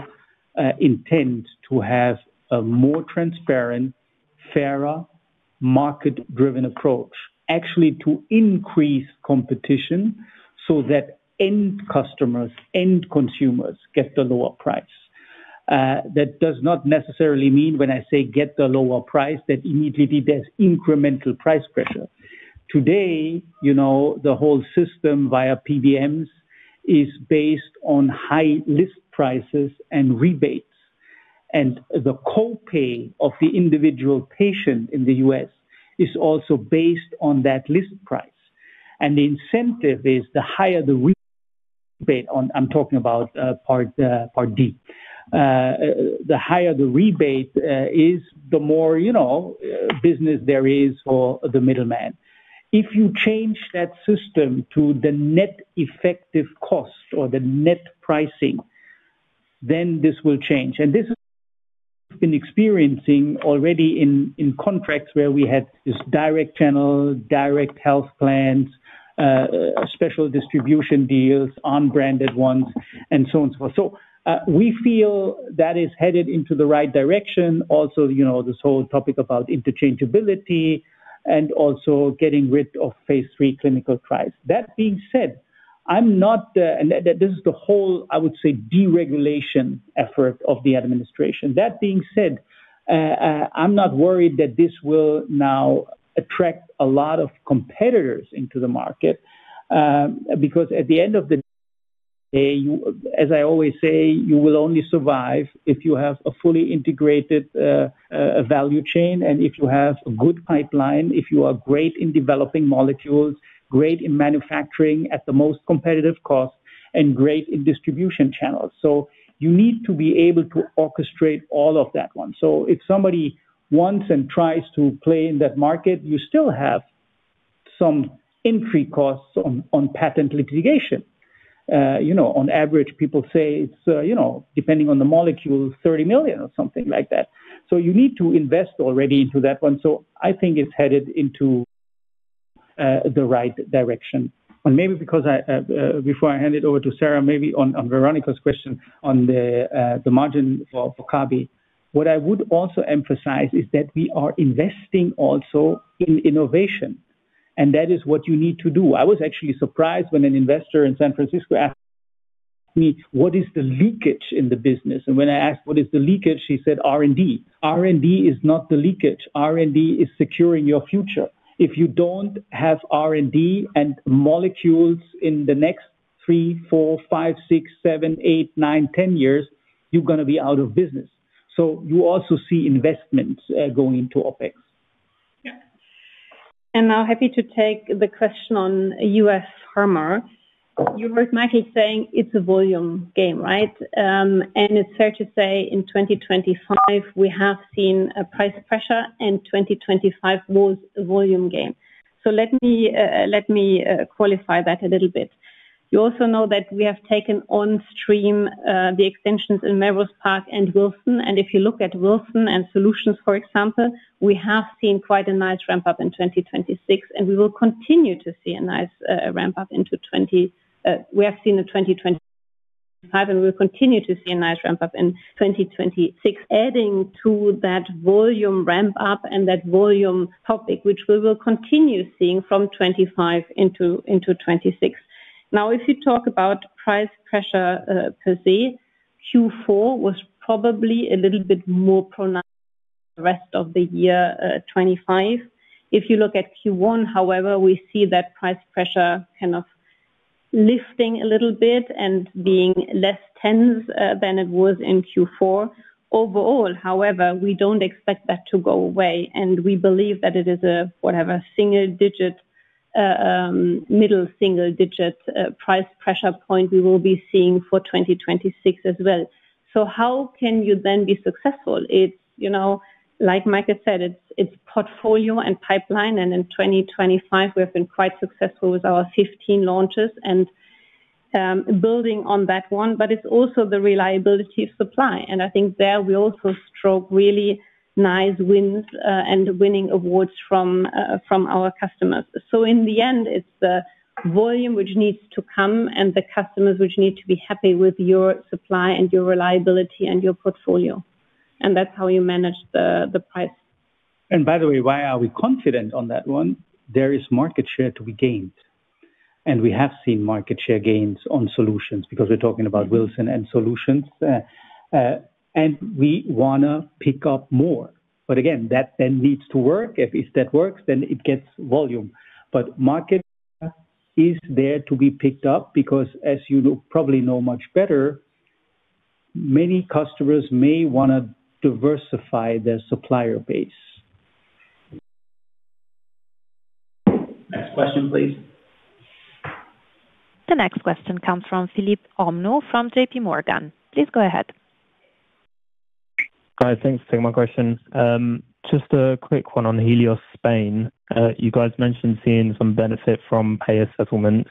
intent, to have a more transparent, fairer, market-driven approach, actually to increase competition so that end customers, end consumers get the lower price. That does not necessarily mean when I say get the lower price, that immediately there's incremental price pressure. Today, you know, the whole system via PBMs is based on high list prices and rebates, and the co-pay of the individual patient in the U.S. is also based on that list price. The incentive is the higher the rebate on Part D. The higher the rebate is, the more, you know, business there is for the middleman. If you change that system to the net effective cost or the net pricing, then this will change. This is been experiencing already in contracts where we had this direct channel, direct health plans, special distribution deals, on branded ones, and so on and so forth. We feel that is headed into the right direction. Also, you know, this whole topic about interchangeability and also getting rid of phase 3 clinical trials. That being said, I'm not. This is the whole, I would say, deregulation effort of the administration. That being said, I'm not worried that this will now attract a lot of competitors into the market, because at the end of the day, you, as I always say, you will only survive if you have a fully integrated value chain and if you have a good pipeline, if you are great in developing molecules, great in manufacturing at the most competitive cost, and great in distribution channels. You need to be able to orchestrate all of that one. If somebody wants and tries to play in that market, you still have some entry costs on patent litigation. you know, on average, people say it's, you know, depending on the molecule, 30 million or something like that. You need to invest already into that one. I think it's headed into the right direction. Maybe because I, before I hand it over to Sarah, maybe on Veronika’s question on the margin for Kabi. What I would also emphasize is that we are investing also in innovation, and that is what you need to do. I was actually surprised when an investor in San Francisco asked me, "What is the leakage in the business?" When I asked, "What is the leakage?" She said, R&D. R&D is not the leakage. R&D is securing your future. If you don't have R&D and molecules in the next 3, 4, 5, 6, 7, 8, 9, 10 years, you're gonna be out of business. You also see investments going into OpEx. Yeah. Now happy to take the question on U.S. pharma. You heard Michael saying it's a volume game, right? It's fair to say in 2025, we have seen a price pressure, and 2025 was a volume game. Let me qualify that a little bit. You also know that we have taken on stream, the extensions in Melrose Park and Wilson. If you look at Wilson and Solutions, for example, we have seen quite a nice ramp up in 2026, and we have seen a 2025, and we will continue to see a nice ramp up in 2026, adding to that volume ramp up and that volume topic, which we will continue seeing from 2025 into 2026. If you talk about price pressure, per se, Q4 was probably a little bit more pronounced the rest of the year, 2025. If you look at Q1, however, we see that price pressure kind of lifting a little bit and being less tense than it was in Q4. Overall, however, we don't expect that to go away, and we believe that it is a, whatever, single digit, middle single digit, price pressure point we will be seeing for 2026 as well. How can you then be successful? It's, you know, like Michael said, it's portfolio and pipeline, and in 2025 we've been quite successful with our 15 launches and building on that one, but it's also the reliability of supply. I think there we also struck really nice wins, and winning awards from our customers. In the end, it's the volume which needs to come and the customers which need to be happy with your supply and your reliability and your portfolio, and that's how you manage the price. By the way, why are we confident on that one? There is market share to be gained, and we have seen market share gains on solutions because we're talking about Wilson and solutions. We wanna pick up more. Again, that then needs to work. If that works, then it gets volume. Market is there to be picked up because as you probably know much better, many customers may wanna diversify their supplier base. Next question, please. The next question comes from Philippe L'Homme from J.P. Morgan. Please go ahead. Hi, thanks for taking my question. Just a quick one on Helios Spain. You guys mentioned seeing some benefit from payer settlements.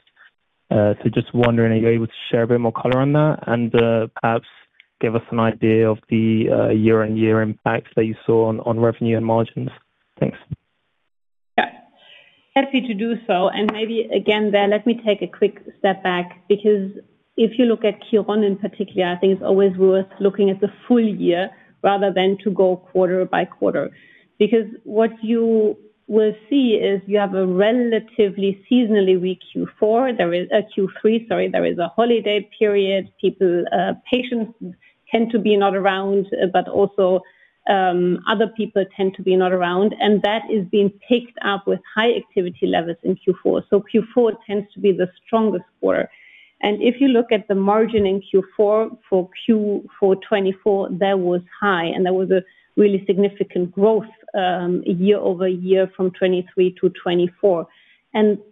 Just wondering, are you able to share a bit more color on that? Perhaps give us an idea of the year-on-year impacts that you saw on revenue and margins. Thanks. Yeah. Happy to do so. Maybe again, let me take a quick step back, because if you look at Q1 in particular, I think it's always worth looking at the full year rather than to go quarter by quarter. What you will see is you have a relatively seasonally weak Q4. There is a Q3, sorry, there is a holiday period. People, patients tend to be not around, but also, other people tend to be not around, and that is being picked up with high activity levels in Q4. Q4 tends to be the strongest quarter. If you look at the margin in Q4, for Q4 2024, that was high and there was a really significant growth year-over-year from 2023 to 2024.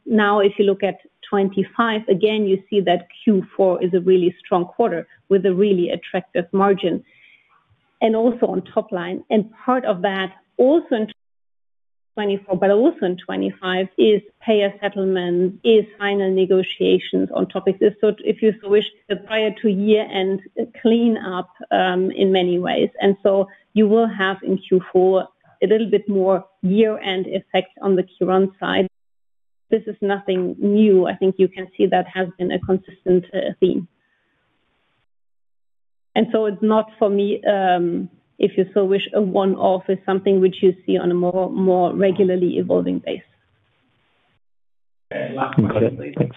Now if you look at 2025 again, you see that Q4 is a really strong quarter with a really attractive margin and also on top line. Part of that, also in 24, but also in 25, is payer settlement, is final negotiations on topics. If you wish, the prior to year-end clean up in many ways. You will have in Q4 a little bit more year-end effect on the Q1 side. This is nothing new. I think you can see that has been a consistent theme. It's not for me, if you so wish, a one-off is something which you see on a more regularly evolving base. Okay, got it. Thanks.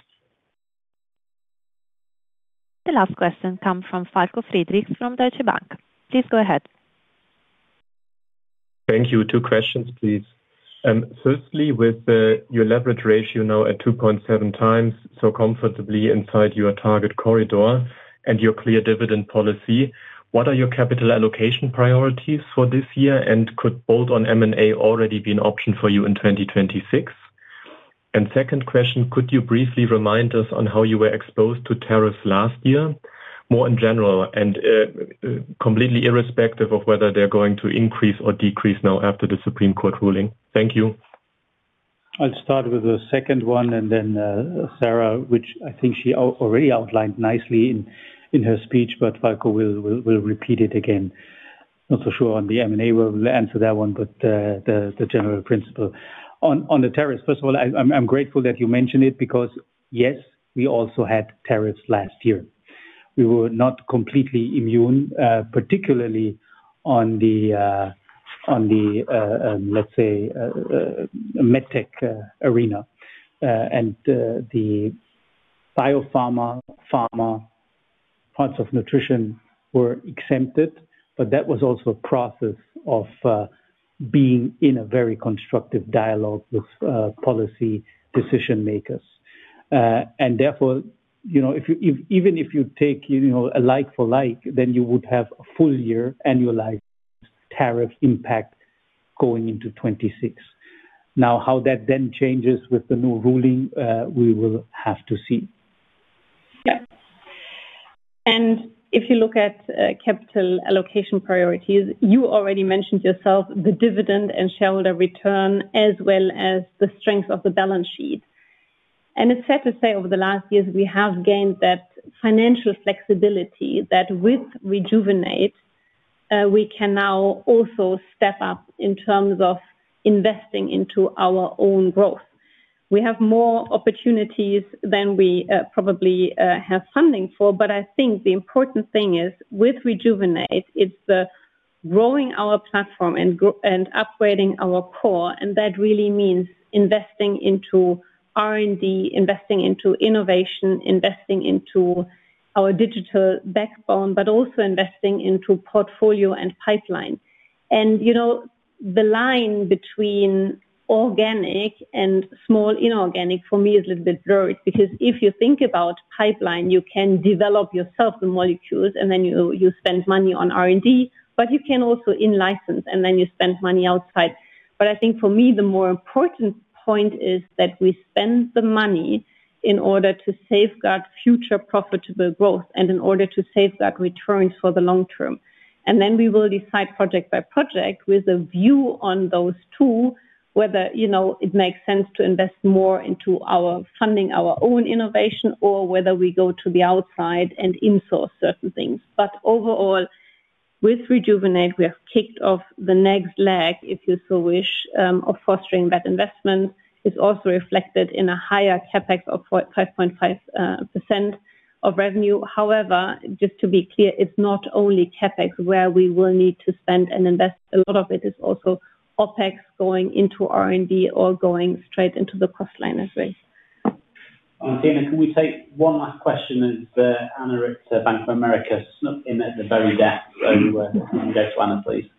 The last question come from Falko Friedrich from Deutsche Bank. Please go ahead. Thank you. Two questions, please. Firstly, with the, your leverage ratio now at 2.7x, so comfortably inside your target corridor and your clear dividend policy, what are your capital allocation priorities for this year, and could bolt on M&A already be an option for you in 2026? Second question, could you briefly remind us on how you were exposed to tariffs last year? More in general and completely irrespective of whether they're going to increase or decrease now after the Supreme Court ruling. Thank you. I'll start with the second one. Then Sarah, which I think she already outlined nicely in her speech, but Falco will repeat it again. Not so sure on the M&A, we'll answer that one, but the general principle. On the tariffs, first of all, I'm grateful that you mentioned it, because yes, we also had tariffs last year. We were not completely immune, particularly on the, let's say, Medtech arena. The Biopharma, pharma, parts of nutrition were exempted, but that was also a process of being in a very constructive dialogue with policy decision makers. Therefore, you know, if you, if even if you take, you know, a like for like, then you would have a full year annualized tariff impact going into 2026. How that then changes with the new ruling, we will have to see. Yeah. If you look at capital allocation priorities, you already mentioned yourself the dividend and shareholder return, as well as the strength of the balance sheet. It's fair to say, over the last years, we have gained that financial flexibility, that with Rejuvenate, we can now also step up in terms of investing into our own growth. We have more opportunities than we probably have funding for, but I think the important thing is, with Rejuvenate, it's the growing our platform and upgrading our core, and that really means investing into R&D, investing into innovation, investing into our digital backbone, but also investing into portfolio and pipeline. You know, the line between organic and small inorganic for me is a little bit blurred. If you think about pipeline, you can develop yourself the molecules, and then you spend money on R&D, but you can also in-license, and then you spend money outside. I think for me, the more important point is that we spend the money in order to safeguard future profitable growth and in order to safeguard returns for the long term. We will decide project by project, with a view on those two, whether, you know, it makes sense to invest more into our funding, our own innovation, or whether we go to the outside and in-source certain things. Overall, with Rejuvenate, we have kicked off the next leg, if you so wish, of fostering that investment. It's also reflected in a higher CapEx of 5.5% of revenue. Just to be clear, it's not only CapEx where we will need to spend and invest. A lot of it is also OpEx going into R&D or going straight into the cost line as well. Tina, can we take one last question from Anna at Bank of America, snuck in at the very death. We went to Anna, please.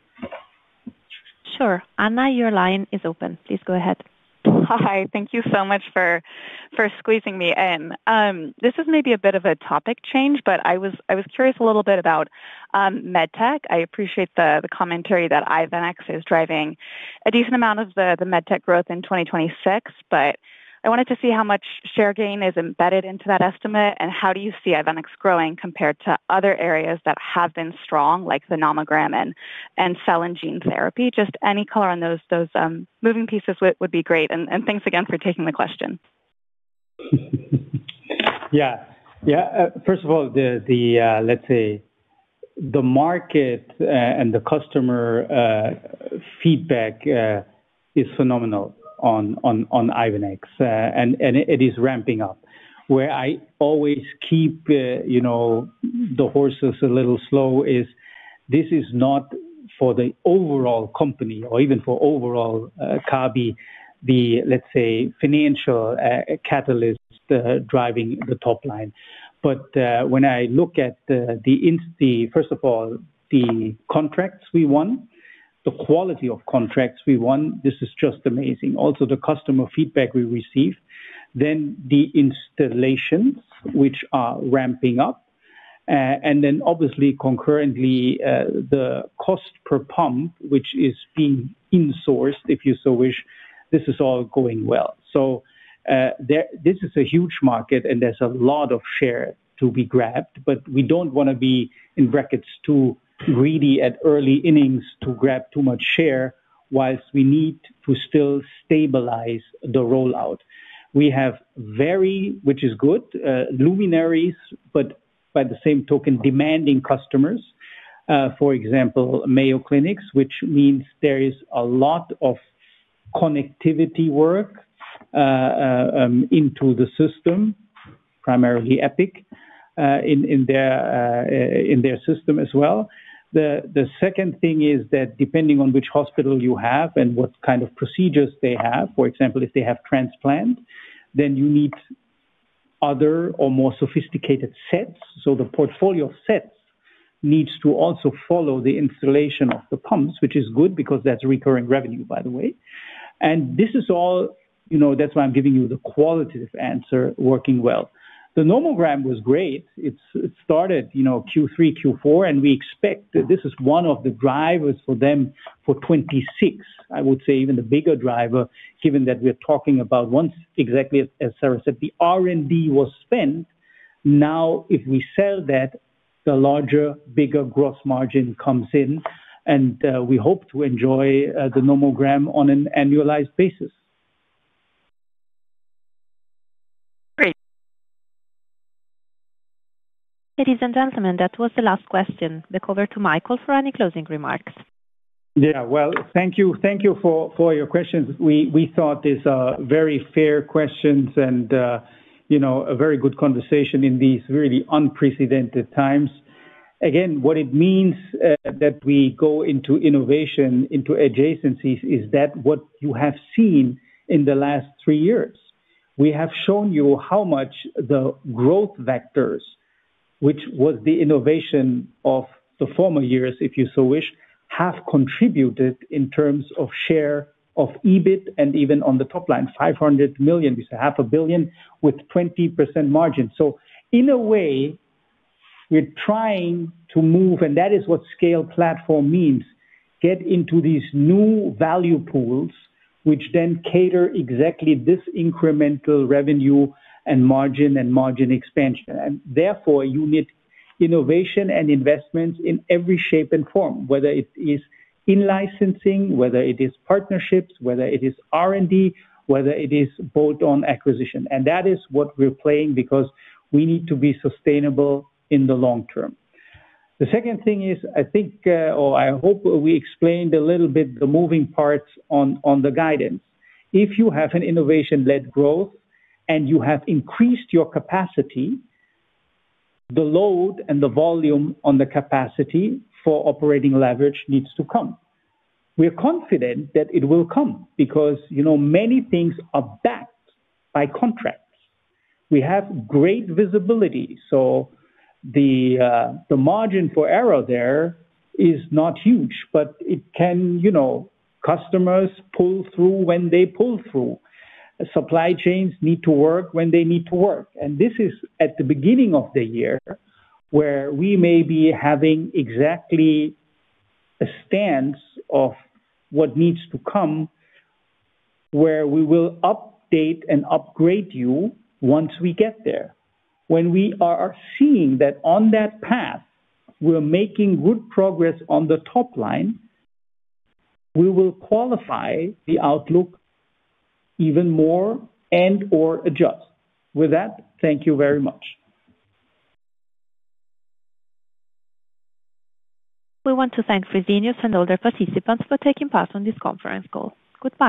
Sure. Anna, your line is open. Please go ahead. Hi, thank you so much for squeezing me in. This is maybe a bit of a topic change, but I was curious a little bit about Medtech. I appreciate the commentary that Ivenix is driving a decent amount of the Medtech growth in 2026, but I wanted to see how much share gain is embedded into that estimate, and how do you see Ivenix growing compared to other areas that have been strong, like the Nomogram and cell and gene therapy? Just any color on those moving pieces would be great, and thanks again for taking the question. Yeah. Yeah, first of all, let's say the market and the customer feedback is phenomenal on Ivenix, and it is ramping up. Where I always keep, you know, the horses a little slow is this is not for the overall company or even for overall Kabi, the, let's say, financial catalyst driving the top line. When I look at, first of all, the contracts we won, the quality of contracts we won, this is just amazing. Also, the customer feedback we received, then the installations, which are ramping up, and then obviously, concurrently, the cost per pump, which is being in-sourced, if you so wish, this is all going well. This is a huge market, and there's a lot of share to be grabbed, but we don't wanna be, in brackets, too greedy at early innings to grab too much share, whilst we need to still stabilize the rollout. We have very, which is good, luminaries, but by the same token, demanding customers, for example, Mayo Clinic, which means there is a lot of connectivity work into the system, primarily Epic, in their system as well. The second thing is that depending on which hospital you have and what kind of procedures they have, for example, if they have transplant, then you need other or more sophisticated sets. The portfolio of sets needs to also follow the installation of the pumps, which is good because that's recurring revenue, by the way. This is all, you know, that's why I'm giving you the qualitative answer, working well. The Nomogram was great. It started, you know, Q3, Q4, and we expect that this is one of the drivers for them for 2026. I would say even a bigger driver, given that we're talking about once, exactly as Sarah said, the R&D was spent. Now, if we sell that, the larger, bigger gross margin comes in, and we hope to enjoy the Nomogram on an annualized basis. Great. Ladies and gentlemen, that was the last question. Back over to Michael for any closing remarks. Well, thank you. Thank you for your questions. We thought these are very fair questions and, you know, a very good conversation in these really unprecedented times. Again, what it means that we go into innovation, into adjacencies, is that what you have seen in the last three years. We have shown you how much the growth vectors. Which was the innovation of the former years, if you so wish, have contributed in terms of share of EBIT and even on the top line, 500 million, it's a half a billion with 20% margin. In a way, we're trying to move, and that is what scale platform means, get into these new value pools, which then cater exactly this incremental revenue and margin and margin expansion. Therefore, you need innovation and investment in every shape and form, whether it is in licensing, whether it is partnerships, whether it is R&D, whether it is bolt-on acquisition. That is what we're playing because we need to be sustainable in the long term. The second thing is, I think, or I hope we explained a little bit the moving parts on the guidance. If you have an innovation-led growth and you have increased your capacity, the load and the volume on the capacity for operating leverage needs to come. We are confident that it will come because, you know, many things are backed by contracts. We have great visibility, so the margin for error there is not huge, but it can, you know, customers pull through when they pull through. Supply chains need to work when they need to work, and this is at the beginning of the year, where we may be having exactly a stance of what needs to come, where we will update and upgrade you once we get there. When we are seeing that on that path, we're making good progress on the top line, we will qualify the outlook even more and/or adjust. With that, thank you very much. We want to thank Fresenius and all their participants for taking part on this conference call. Goodbye.